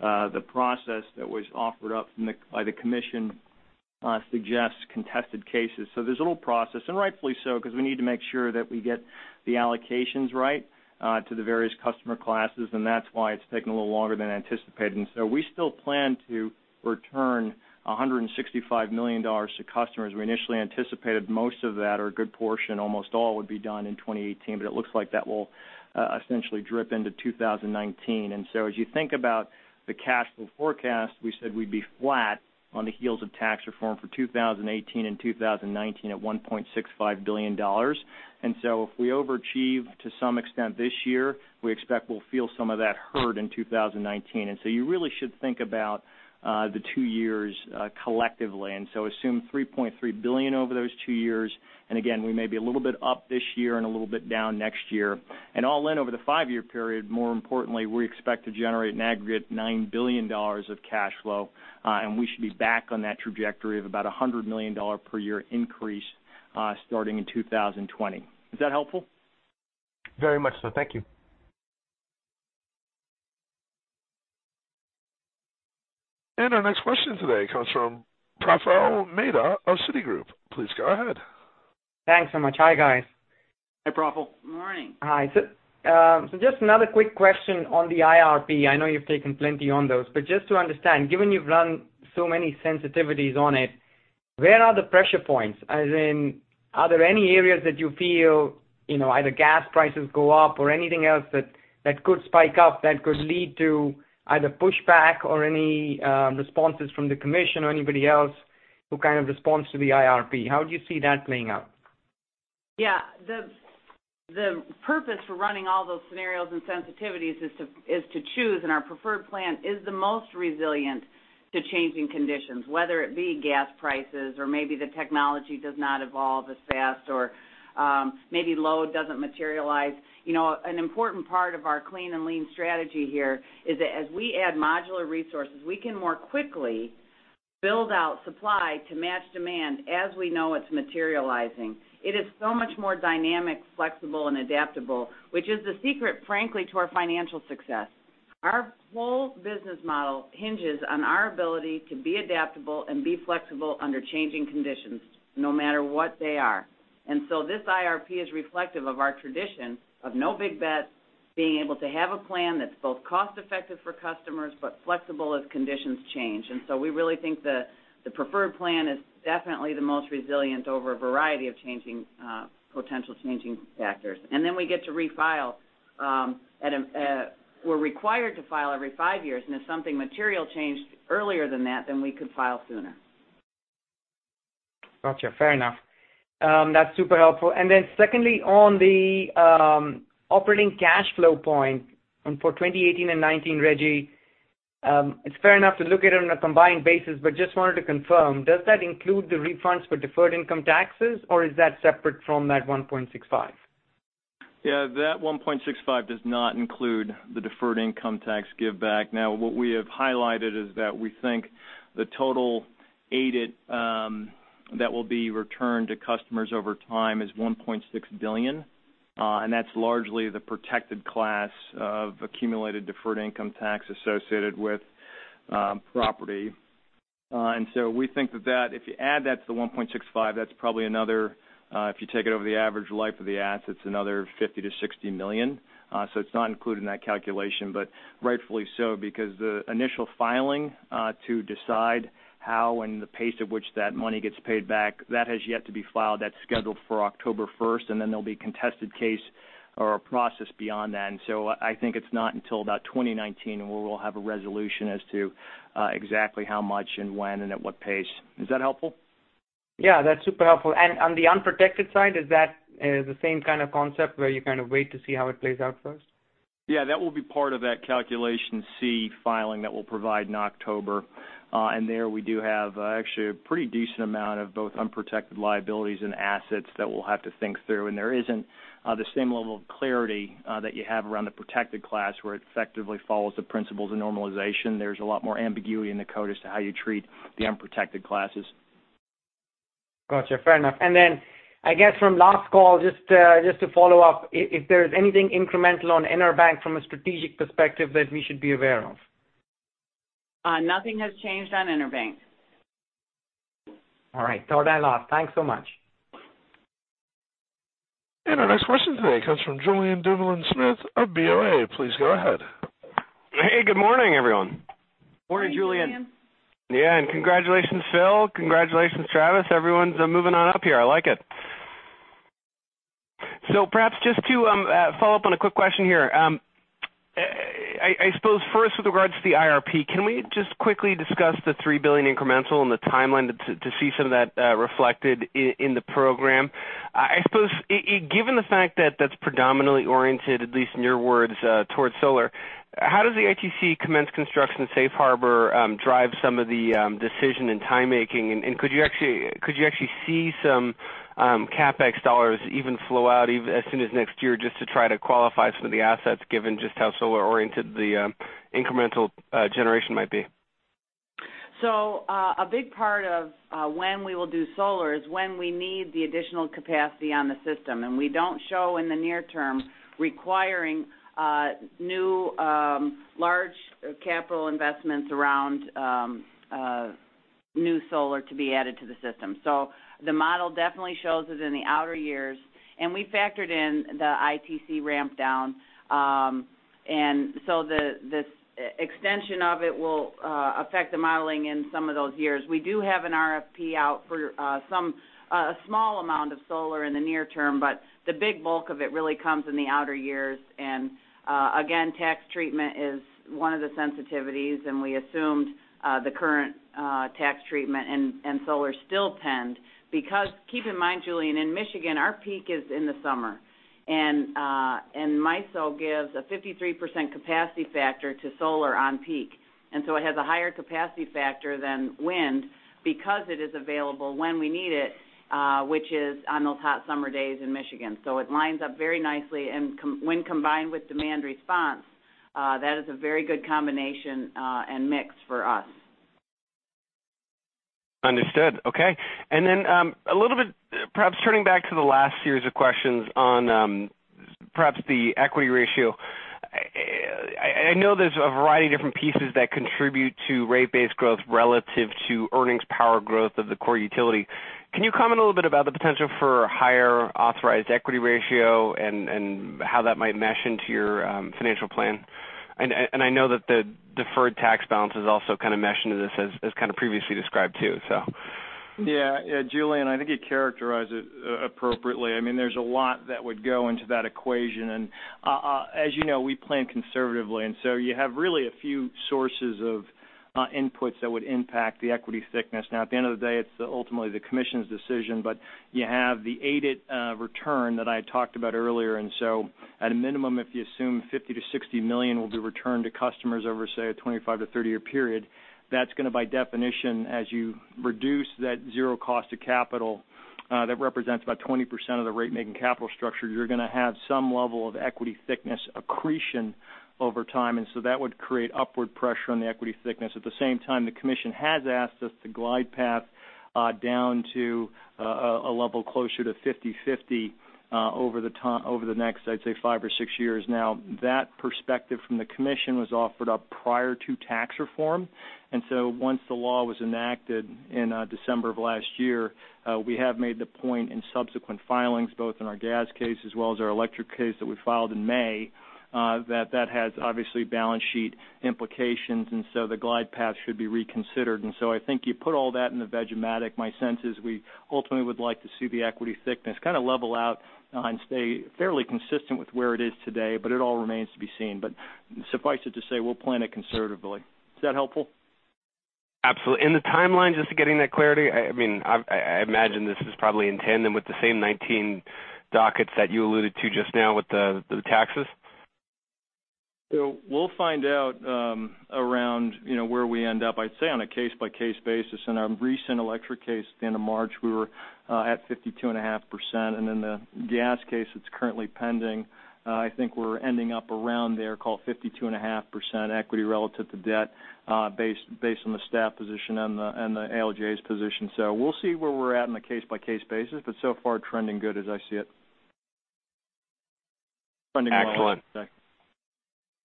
the process that was offered up by the commission suggests contested cases. There's a little process, rightfully so, because we need to make sure that we get the allocations right to the various customer classes, that's why it's taken a little longer than anticipated. We still plan to return $165 million to customers. We initially anticipated most of that or a good portion, almost all would be done in 2018, but it looks like that will essentially drip into 2019. As you think about the cash flow forecast, we said we'd be flat on the heels of tax reform for 2018 and 2019 at $1.65 billion. If we overachieve to some extent this year, we expect we'll feel some of that hurt in 2019. You really should think about the two years collectively. Assume $3.3 billion over those two years, again, we may be a little bit up this year and a little bit down next year. All in over the five-year period, more importantly, we expect to generate an aggregate $9 billion of cash flow, we should be back on that trajectory of about $100 million per year increase starting in 2020. Is that helpful?
Very much so. Thank you.
Our next question today comes from Praful Mehta of Citigroup. Please go ahead.
Thanks so much. Hi, guys.
Hi, Praful.
Good morning.
Hi. Just another quick question on the IRP. I know you've taken plenty on those. Just to understand, given you've run so many sensitivities on it, where are the pressure points? As in, are there any areas that you feel either gas prices go up or anything else that could spike up that could lead to either pushback or any responses from the commission or anybody else who kind of responds to the IRP? How do you see that playing out?
Yeah. The purpose for running all those scenarios and sensitivities is to choose. Our preferred plan is the most resilient to changing conditions, whether it be gas prices or maybe the technology does not evolve as fast or maybe load doesn't materialize. An important part of our Clean and Lean strategy here is that as we add modular resources, we can more quickly build out supply to match demand as we know it's materializing. It is so much more dynamic, flexible, and adaptable, which is the secret, frankly, to our financial success. Our whole business model hinges on our ability to be adaptable and be flexible under changing conditions, no matter what they are. This IRP is reflective of our tradition of no big bets, being able to have a plan that's both cost-effective for customers, but flexible as conditions change. We really think the preferred plan is definitely the most resilient over a variety of potential changing factors. We get to refile. We're required to file every five years. If something material changed earlier than that, then we could file sooner.
Got you. Fair enough. That's super helpful. Secondly, on the operating cash flow point for 2018 and 2019, Reggie, it's fair enough to look at it on a combined basis, but just wanted to confirm, does that include the refunds for deferred income taxes, or is that separate from that $1.65?
That $1.65 does not include the deferred income tax give back. What we have highlighted is that we think the total ADIT that will be returned to customers over time is $1.6 billion, and that's largely the protected class of Accumulated Deferred Income Tax associated with property. We think that if you add that to the $1.65, if you take it over the average life of the assets, it's another $50 million-$60 million. It's not included in that calculation, but rightfully so, because the initial filing, to decide how and the pace at which that money gets paid back, that has yet to be filed. That's scheduled for October 1st, there'll be contested case or a process beyond then. I think it's not until about 2019 where we'll have a resolution as to exactly how much and when and at what pace. Is that helpful?
That's super helpful. On the unprotected side, is that the same kind of concept where you kind of wait to see how it plays out first?
That will be part of that calculation C filing that we'll provide in October. There we do have actually a pretty decent amount of both unprotected liabilities and assets that we'll have to think through, there isn't the same level of clarity that you have around the protected class, where it effectively follows the principles of normalization. There's a lot more ambiguity in the code as to how you treat the unprotected classes.
Got you. Fair enough. Then I guess from last call, just to follow up, if there's anything incremental on InterBank from a strategic perspective that we should be aware of.
Nothing has changed on InterBank.
All right, thought I lost. Thanks so much.
Our next question today comes from Julien Dumoulin-Smith of BofA. Please go ahead.
Hey, good morning, everyone.
Morning, Julien.
Morning, Julien.
Yeah, congratulations, Phil. Congratulations, Travis. Everyone's moving on up here. I like it. Perhaps just to follow up on a quick question here. I suppose first with regards to the IRP, can we just quickly discuss the $3 billion incremental and the timeline to see some of that reflected in the program? I suppose given the fact that's predominantly oriented, at least in your words, towards solar, how does the ITC commence construction safe harbor drive some of the decision and time making? Could you actually see some CapEx dollars even flow out as soon as next year just to try to qualify some of the assets given just how solar oriented the incremental generation might be?
A big part of when we will do solar is when we need the additional capacity on the system. We don't show in the near term requiring new large capital investments around new solar to be added to the system. The model definitely shows it in the outer years, and we factored in the ITC ramp down. This extension of it will affect the modeling in some of those years. We do have an RFP out for a small amount of solar in the near term, but the big bulk of it really comes in the outer years. Tax treatment is one of the sensitivities, and we assumed the current tax treatment and solar still penned, because keep in mind, Julien, in Michigan, our peak is in the summer. MISO gives a 53% capacity factor to solar on peak. It has a higher capacity factor than wind because it is available when we need it, which is on those hot summer days in Michigan. It lines up very nicely, and when combined with demand response, that is a very good combination, and mix for us.
Understood. Okay. A little bit perhaps turning back to the last series of questions on perhaps the equity ratio. I know there's a variety of different pieces that contribute to rate base growth relative to earnings power growth of the core utility. Can you comment a little bit about the potential for higher authorized equity ratio and how that might mesh into your financial plan? I know that the deferred tax balance is also kind of meshed into this as kind of previously described too.
Yeah. Julien, I think you characterize it appropriately. There's a lot that would go into that equation. As you know, we plan conservatively, so you have really a few sources of inputs that would impact the equity thickness. At the end of the day, it's ultimately the commission's decision, but you have the ADIT return that I had talked about earlier. At a minimum, if you assume $50 million to $60 million will be returned to customers over, say, a 25 to 30 year period, that's going to by definition, as you reduce that zero cost of capital, that represents about 20% of the rate-making capital structure. You're going to have some level of equity thickness accretion over time, that would create upward pressure on the equity thickness. At the same time, the commission has asked us to glide path down to a level closer to 50/50 over the next, I'd say 5 or 6 years. Now, that perspective from the commission was offered up prior to tax reform, and so once the law was enacted in December of last year, we have made the point in subsequent filings, both in our gas case as well as our electric case that we filed in May, that has obviously balance sheet implications, and so the glide path should be reconsidered. I think you put all that in the Veg-O-Matic. My sense is we ultimately would like to see the equity thickness kind of level out and stay fairly consistent with where it is today, but it all remains to be seen. Suffice it to say, we'll plan it conservatively. Is that helpful?
Absolutely. The timeline just to getting that clarity, I imagine this is probably in tandem with the same 2019 dockets that you alluded to just now with the taxes?
We'll find out around where we end up, I'd say on a case-by-case basis. In our recent electric case at the end of March, we were at 52.5%, and in the gas case that's currently pending, I think we're ending up around there, call it 52.5% equity relative to debt, based on the staff position and the ALJ's position. We'll see where we're at on a case-by-case basis, but so far trending good as I see it.
Excellent.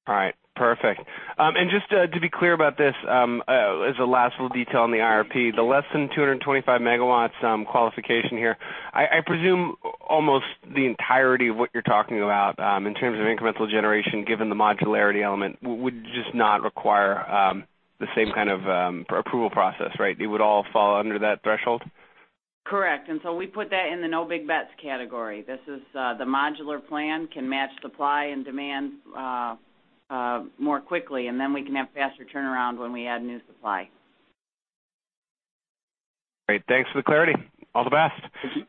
All right, perfect. Just to be clear about this, as a last little detail on the IRP, the less than 225 megawatts qualification here, I presume almost the entirety of what you're talking about, in terms of incremental generation, given the modularity element, would just not require the same kind of approval process, right? It would all fall under that threshold?
Correct. We put that in the no big bets category. This is the modular plan can match supply and demand more quickly, and then we can have faster turnaround when we add new supply.
Great. Thanks for the clarity. All the best.
Thank you.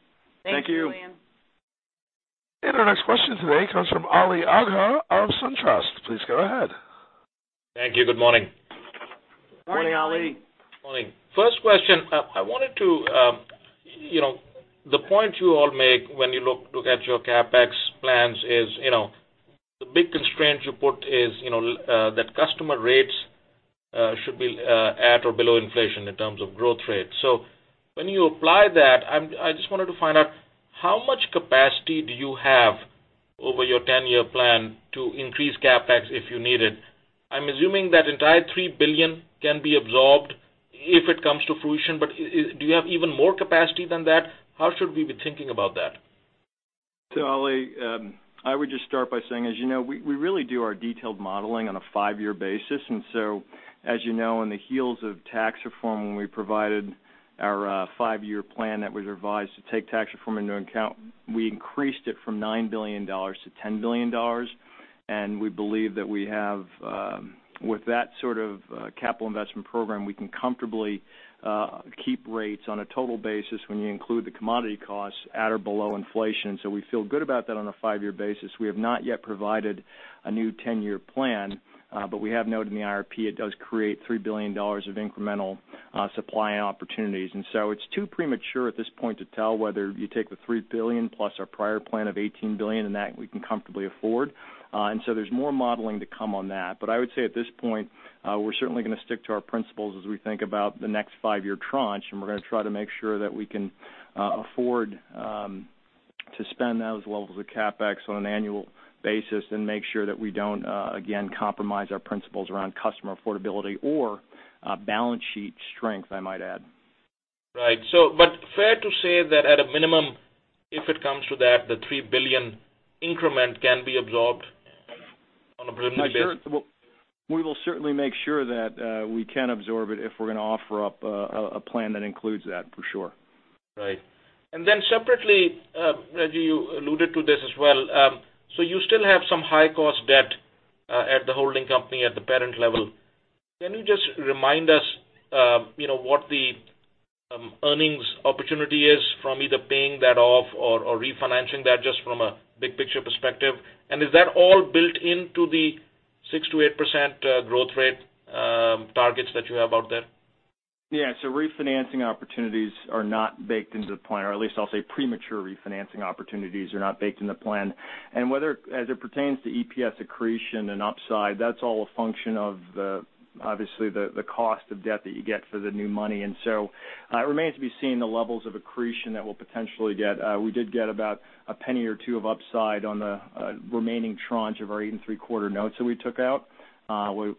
Thanks, Julien.
Our next question today comes from Ali Agha of SunTrust. Please go ahead.
Thank you. Good morning.
Morning, Ali.
Morning. First question. The point you all make when you look at your CapEx plans is, the big constraint you put is that customer rates should be at or below inflation in terms of growth rates. When you apply that, I just wanted to find out how much capacity do you have over your 10-year plan to increase CapEx if you need it? I'm assuming that entire $3 billion can be absorbed if it comes to fruition, but do you have even more capacity than that? How should we be thinking about that?
Ali, I would just start by saying, as you know, we really do our detailed modeling on a five-year basis. As you know, on the heels of tax reform, when we provided our five-year plan that was revised to take tax reform into account, we increased it from $9 billion to $10 billion. We believe that with that sort of capital investment program, we can comfortably keep rates on a total basis when you include the commodity costs at or below inflation. We feel good about that on a five-year basis. We have not yet provided a new 10-year plan, but we have noted in the IRP it does create $3 billion of incremental supply and opportunities. It's too premature at this point to tell whether you take the $3 billion plus our prior plan of $18 billion and that we can comfortably afford. There's more modeling to come on that. I would say at this point, we're certainly going to stick to our principles as we think about the next five-year tranche, and we're going to try to make sure that we can afford to spend those levels of CapEx on an annual basis and make sure that we don't, again, compromise our principles around customer affordability or balance sheet strength, I might add.
Right. Fair to say that at a minimum, if it comes to that, the $3 billion increment can be absorbed on a prudent basis?
We will certainly make sure that we can absorb it if we're going to offer up a plan that includes that, for sure.
Right. Separately, Rejji Hayes, you alluded to this as well. You still have some high-cost debt at the holding company at the parent level. Can you just remind us what the earnings opportunity is from either paying that off or refinancing that just from a big-picture perspective? Is that all built into the 6%-8% growth rate targets that you have out there?
Yeah. Refinancing opportunities are not baked into the plan, or at least I'll say premature refinancing opportunities are not baked in the plan. As it pertains to EPS accretion and upside, that's all a function of obviously the cost of debt that you get for the new money. It remains to be seen the levels of accretion that we'll potentially get. We did get about $0.01 or $0.02 of upside on the remaining tranche of our eight and three-quarter notes that we took out,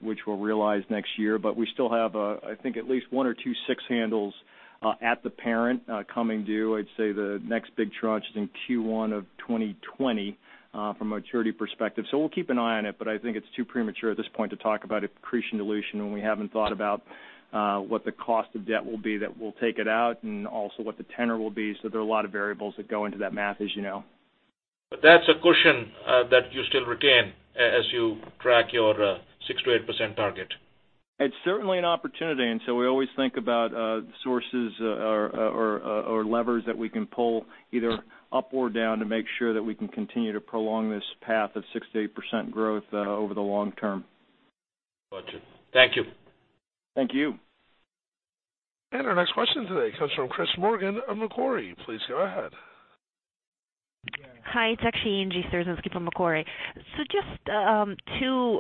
which we'll realize next year. We still have, I think at least one or two six handles at the parent coming due. I'd say the next big tranche is in Q1 of 2020 from a maturity perspective. We'll keep an eye on it, I think it's too premature at this point to talk about accretion dilution when we haven't thought about what the cost of debt will be that we'll take it out and also what the tenor will be. There are a lot of variables that go into that math, as you know.
That's a cushion that you still retain as you track your 6%-8% target.
It's certainly an opportunity, we always think about sources or levers that we can pull either up or down to make sure that we can continue to prolong this path of 6%-8% growth over the long term.
Got you. Thank you.
Thank you.
Our next question today comes from Chris Morgan of Macquarie. Please go ahead.
Hi, it's actually Angie Storozynski from Macquarie. Just two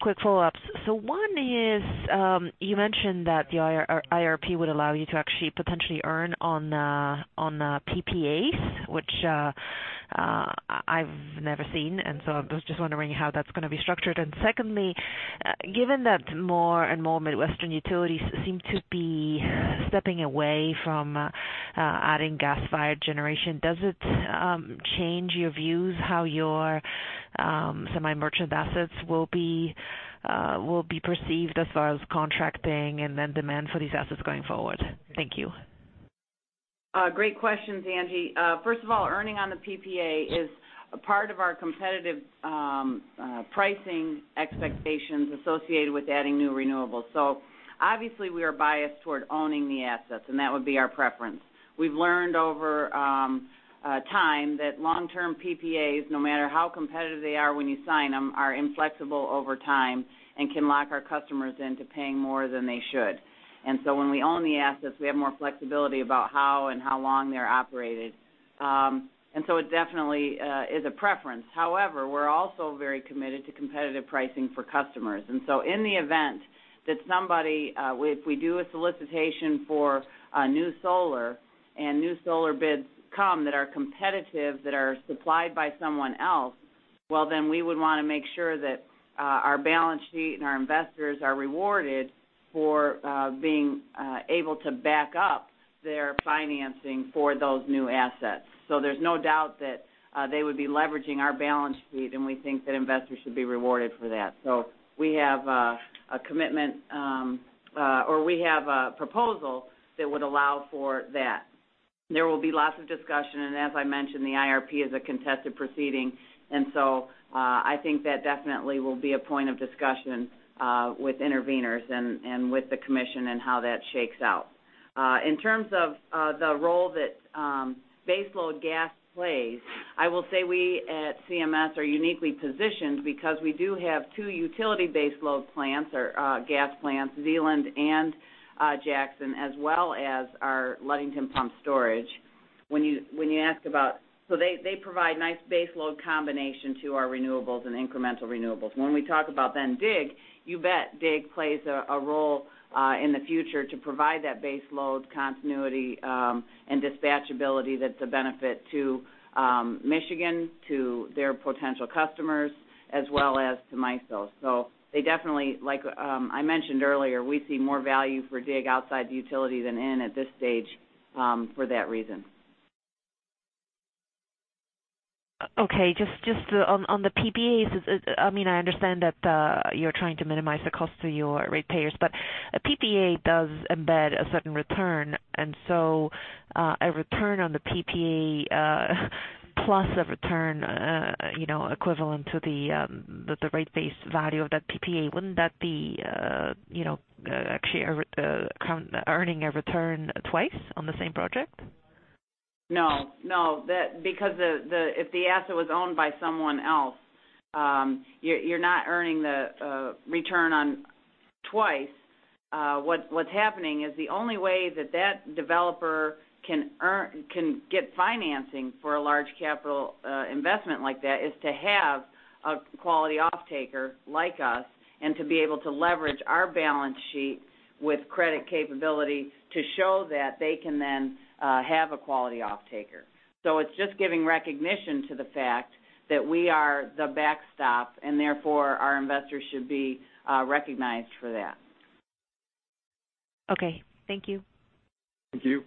quick follow-ups. One is, you mentioned that the IRP would allow you to actually potentially earn on PPAs, which I've never seen. I was just wondering how that's going to be structured. Secondly, given that more and more Midwestern utilities seem to be stepping away from adding gas-fired generation, does it change your views how your semi-merchant assets will be perceived as far as contracting and then demand for these assets going forward? Thank you.
Great questions, Angie. First of all, earning on the PPA is a part of our competitive pricing expectations associated with adding new renewables. Obviously we are biased toward owning the assets, and that would be our preference. We've learned over time that long-term PPAs, no matter how competitive they are when you sign them, are inflexible over time and can lock our customers into paying more than they should. When we own the assets, we have more flexibility about how and how long they're operated. It definitely is a preference. However, we're also very committed to competitive pricing for customers. In the event that if we do a solicitation for new solar and new solar bids come that are competitive, that are supplied by someone else Well then we would want to make sure that our balance sheet and our investors are rewarded for being able to back up their financing for those new assets. There's no doubt that they would be leveraging our balance sheet, and we think that investors should be rewarded for that. We have a proposal that would allow for that. There will be lots of discussion, as I mentioned, the IRP is a contested proceeding, I think that definitely will be a point of discussion with interveners and with the commission and how that shakes out. In terms of the role that baseload gas plays, I will say we at CMS are uniquely positioned because we do have two utility baseload plants or gas plants, Zeeland and Jackson, as well as our Ludington Pumped Storage. They provide nice baseload combination to our renewables and incremental renewables. When we talk about DIG, you bet DIG plays a role in the future to provide that baseload continuity and dispatchability that's a benefit to Michigan, to their potential customers, as well as to myself. They definitely, like I mentioned earlier, we see more value for DIG outside the utility than in at this stage for that reason.
Okay. Just on the PPAs, I understand that you're trying to minimize the cost to your ratepayers, a PPA does embed a certain return. A return on the PPA plus a return equivalent to the rate base value of that PPA, wouldn't that be actually earning a return twice on the same project?
No. If the asset was owned by someone else, you're not earning the return twice. What's happening is the only way that developer can get financing for a large capital investment like that is to have a quality offtaker like us and to be able to leverage our balance sheet with credit capability to show that they can then have a quality offtaker. It's just giving recognition to the fact that we are the backstop, and therefore our investors should be recognized for that.
Okay. Thank you.
Thank you.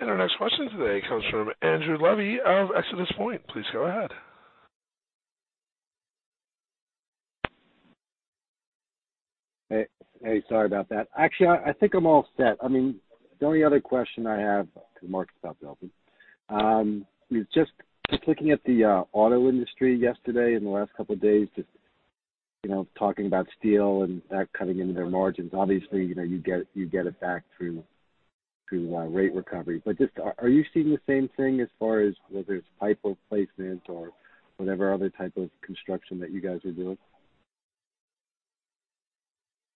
Our next question today comes from Andrew Levy of ExodusPoint. Please go ahead.
Hey, sorry about that. Actually, I think I'm all set. The only other question I have, because the market's not building, was just looking at the auto industry yesterday and the last couple of days, just talking about steel and that cutting into their margins. Obviously, you get it back through rate recovery. Are you seeing the same thing as far as whether it's pipe replacement or whatever other type of construction that you guys are doing?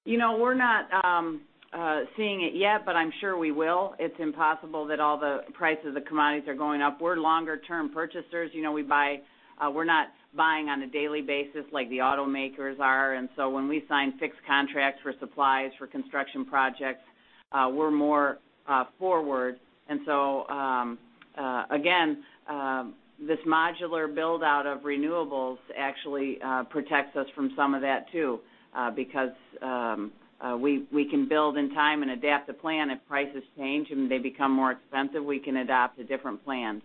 We're not seeing it yet, but I'm sure we will. It's impossible that all the prices of commodities are going up. We're longer-term purchasers. We're not buying on a daily basis like the automakers are. When we sign fixed contracts for supplies for construction projects, we're more forward. Again, this modular build-out of renewables actually protects us from some of that too because we can build in time and adapt the plan if prices change and they become more expensive, we can adopt a different plan.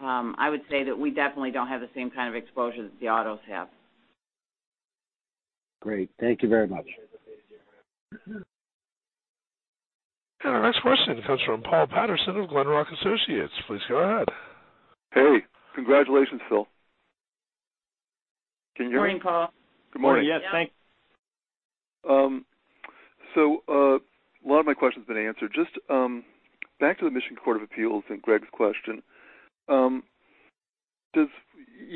I would say that we definitely don't have the same kind of exposure that the autos have.
Great. Thank you very much.
Our next question comes from Paul Patterson of Glenrock Associates. Please go ahead.
Hey, congratulations, Phil. Can you hear me?
Morning, Paul.
Good morning.
Yes, thanks.
A lot of my question's been answered. Just back to the Michigan Court of Appeals and Greg's question. You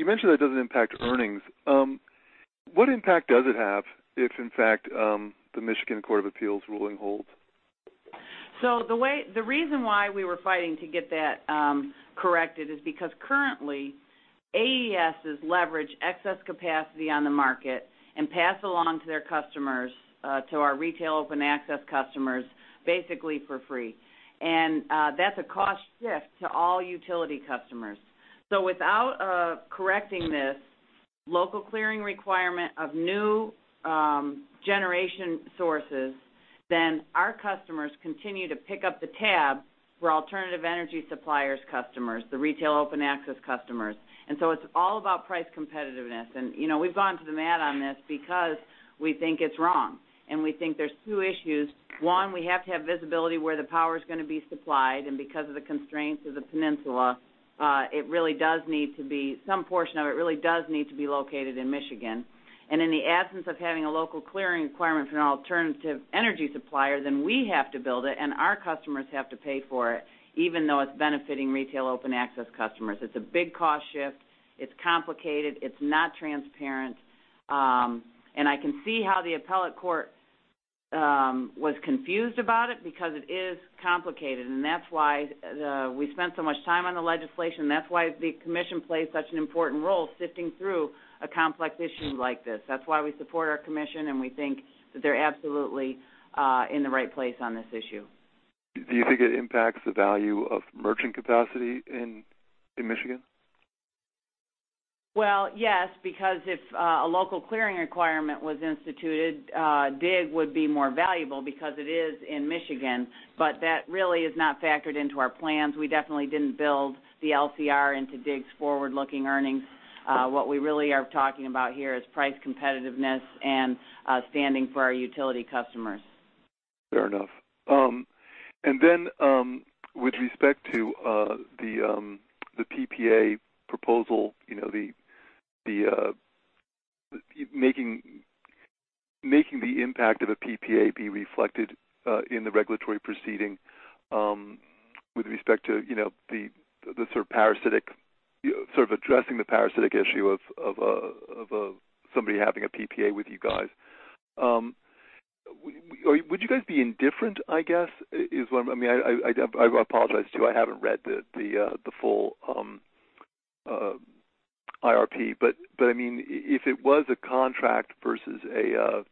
mentioned that it doesn't impact earnings. What impact does it have if, in fact, the Michigan Court of Appeals ruling holds?
The reason why we were fighting to get that corrected is because currently, AES leverage excess capacity on the market and pass along to their customers, to our Retail Open Access customers, basically for free. That's a cost shift to all utility customers. Without correcting this Local Clearing Requirement of new generation sources, then our customers continue to pick up the tab for alternative energy suppliers customers, the Retail Open Access customers. It's all about price competitiveness. We've gone to the mat on this because we think it's wrong. We think there's two issues. One, we have to have visibility where the power's going to be supplied. Because of the constraints of the peninsula, some portion of it really does need to be located in Michigan. In the absence of having a Local Clearing Requirement for an alternative energy supplier, then we have to build it and our customers have to pay for it, even though it's benefiting Retail Open Access customers. It's a big cost shift. It's complicated. It's not transparent. I can see how the appellate court was confused about it because it is complicated. That's why we spent so much time on the legislation. That's why the commission plays such an important role sifting through a complex issue like this. That's why we support our commission, and we think that they're absolutely in the right place on this issue.
Do you think it impacts the value of merchant capacity in Michigan?
Yes, because if a Local Clearing Requirement was instituted, DIG would be more valuable because it is in Michigan, but that really is not factored into our plans. We definitely didn't build the LCR into DIG's forward-looking earnings. What we really are talking about here is price competitiveness and standing for our utility customers.
Fair enough. With respect to the PPA proposal, making the impact of a PPA be reflected in the regulatory proceeding with respect to addressing the parasitic issue of somebody having a PPA with you guys. Would you guys be indifferent, I guess? I apologize, too. I haven't read the full IRP, but if it was a contract versus a.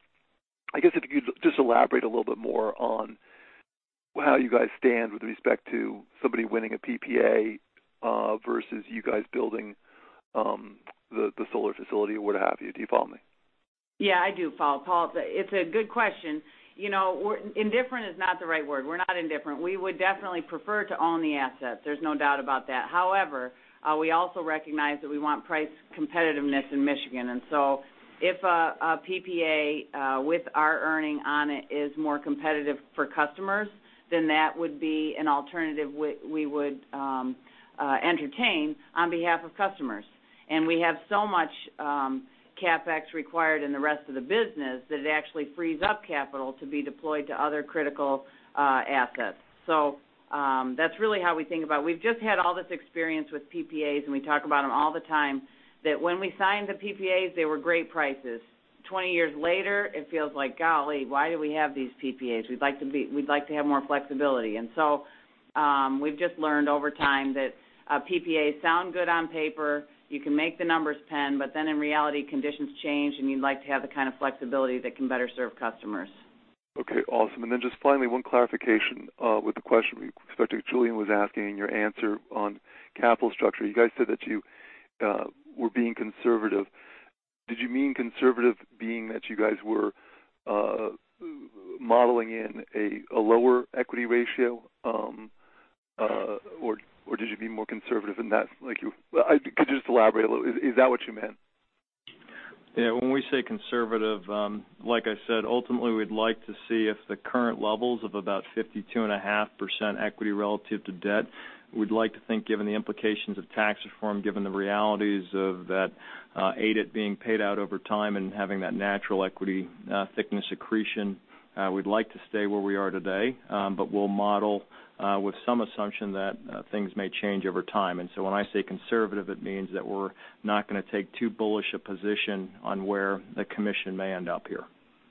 I guess if you could just elaborate a little bit more on how you guys stand with respect to somebody winning a PPA, versus you guys building the solar facility or what have you. Do you follow me?
I do follow, Paul. It's a good question. Indifferent is not the right word. We're not indifferent. We would definitely prefer to own the assets. There's no doubt about that. However, we also recognize that we want price competitiveness in Michigan. If a PPA with our earning on it is more competitive for customers, then that would be an alternative we would entertain on behalf of customers. We have so much CapEx required in the rest of the business that it actually frees up capital to be deployed to other critical assets. That's really how we think about it. We've just had all this experience with PPAs, and we talk about them all the time, that when we signed the PPAs, they were great prices. 20 years later, it feels like, golly, why do we have these PPAs? We'd like to have more flexibility. We've just learned over time that PPAs sound good on paper. You can make the numbers pen, in reality, conditions change, you'd like to have the kind of flexibility that can better serve customers.
Okay, awesome. Just finally, one clarification with the question Julien was asking, your answer on capital structure. You guys said that you were being conservative. Did you mean conservative being that you guys were modeling in a lower equity ratio? Or did you mean more conservative than that? Could you just elaborate a little? Is that what you meant?
Yeah. When we say conservative, like I said, ultimately, we'd like to see if the current levels of about 52.5% equity relative to debt. We'd like to think, given the implications of tax reform, given the realities of that ADIT being paid out over time and having that natural equity thickness accretion, we'd like to stay where we are today. We'll model with some assumption that things may change over time. When I say conservative, it means that we're not going to take too bullish a position on where the commission may end up here.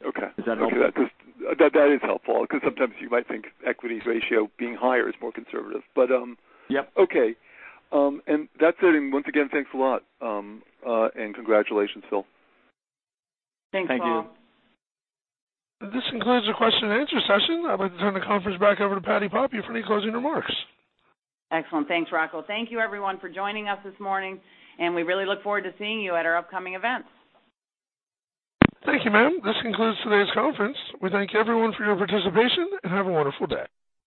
Okay.
Does that help?
That is helpful because sometimes you might think equity's ratio being higher is more conservative.
Yep.
Okay. That's it. Once again, thanks a lot, and congratulations, Phil.
Thanks, Paul.
Thank you.
This concludes the question and answer session. I would turn the conference back over to Patti Poppe for any closing remarks.
Excellent. Thanks, Rocco. Thank you, everyone, for joining us this morning. We really look forward to seeing you at our upcoming events.
Thank you, ma'am. This concludes today's conference. We thank everyone for your participation. Have a wonderful day.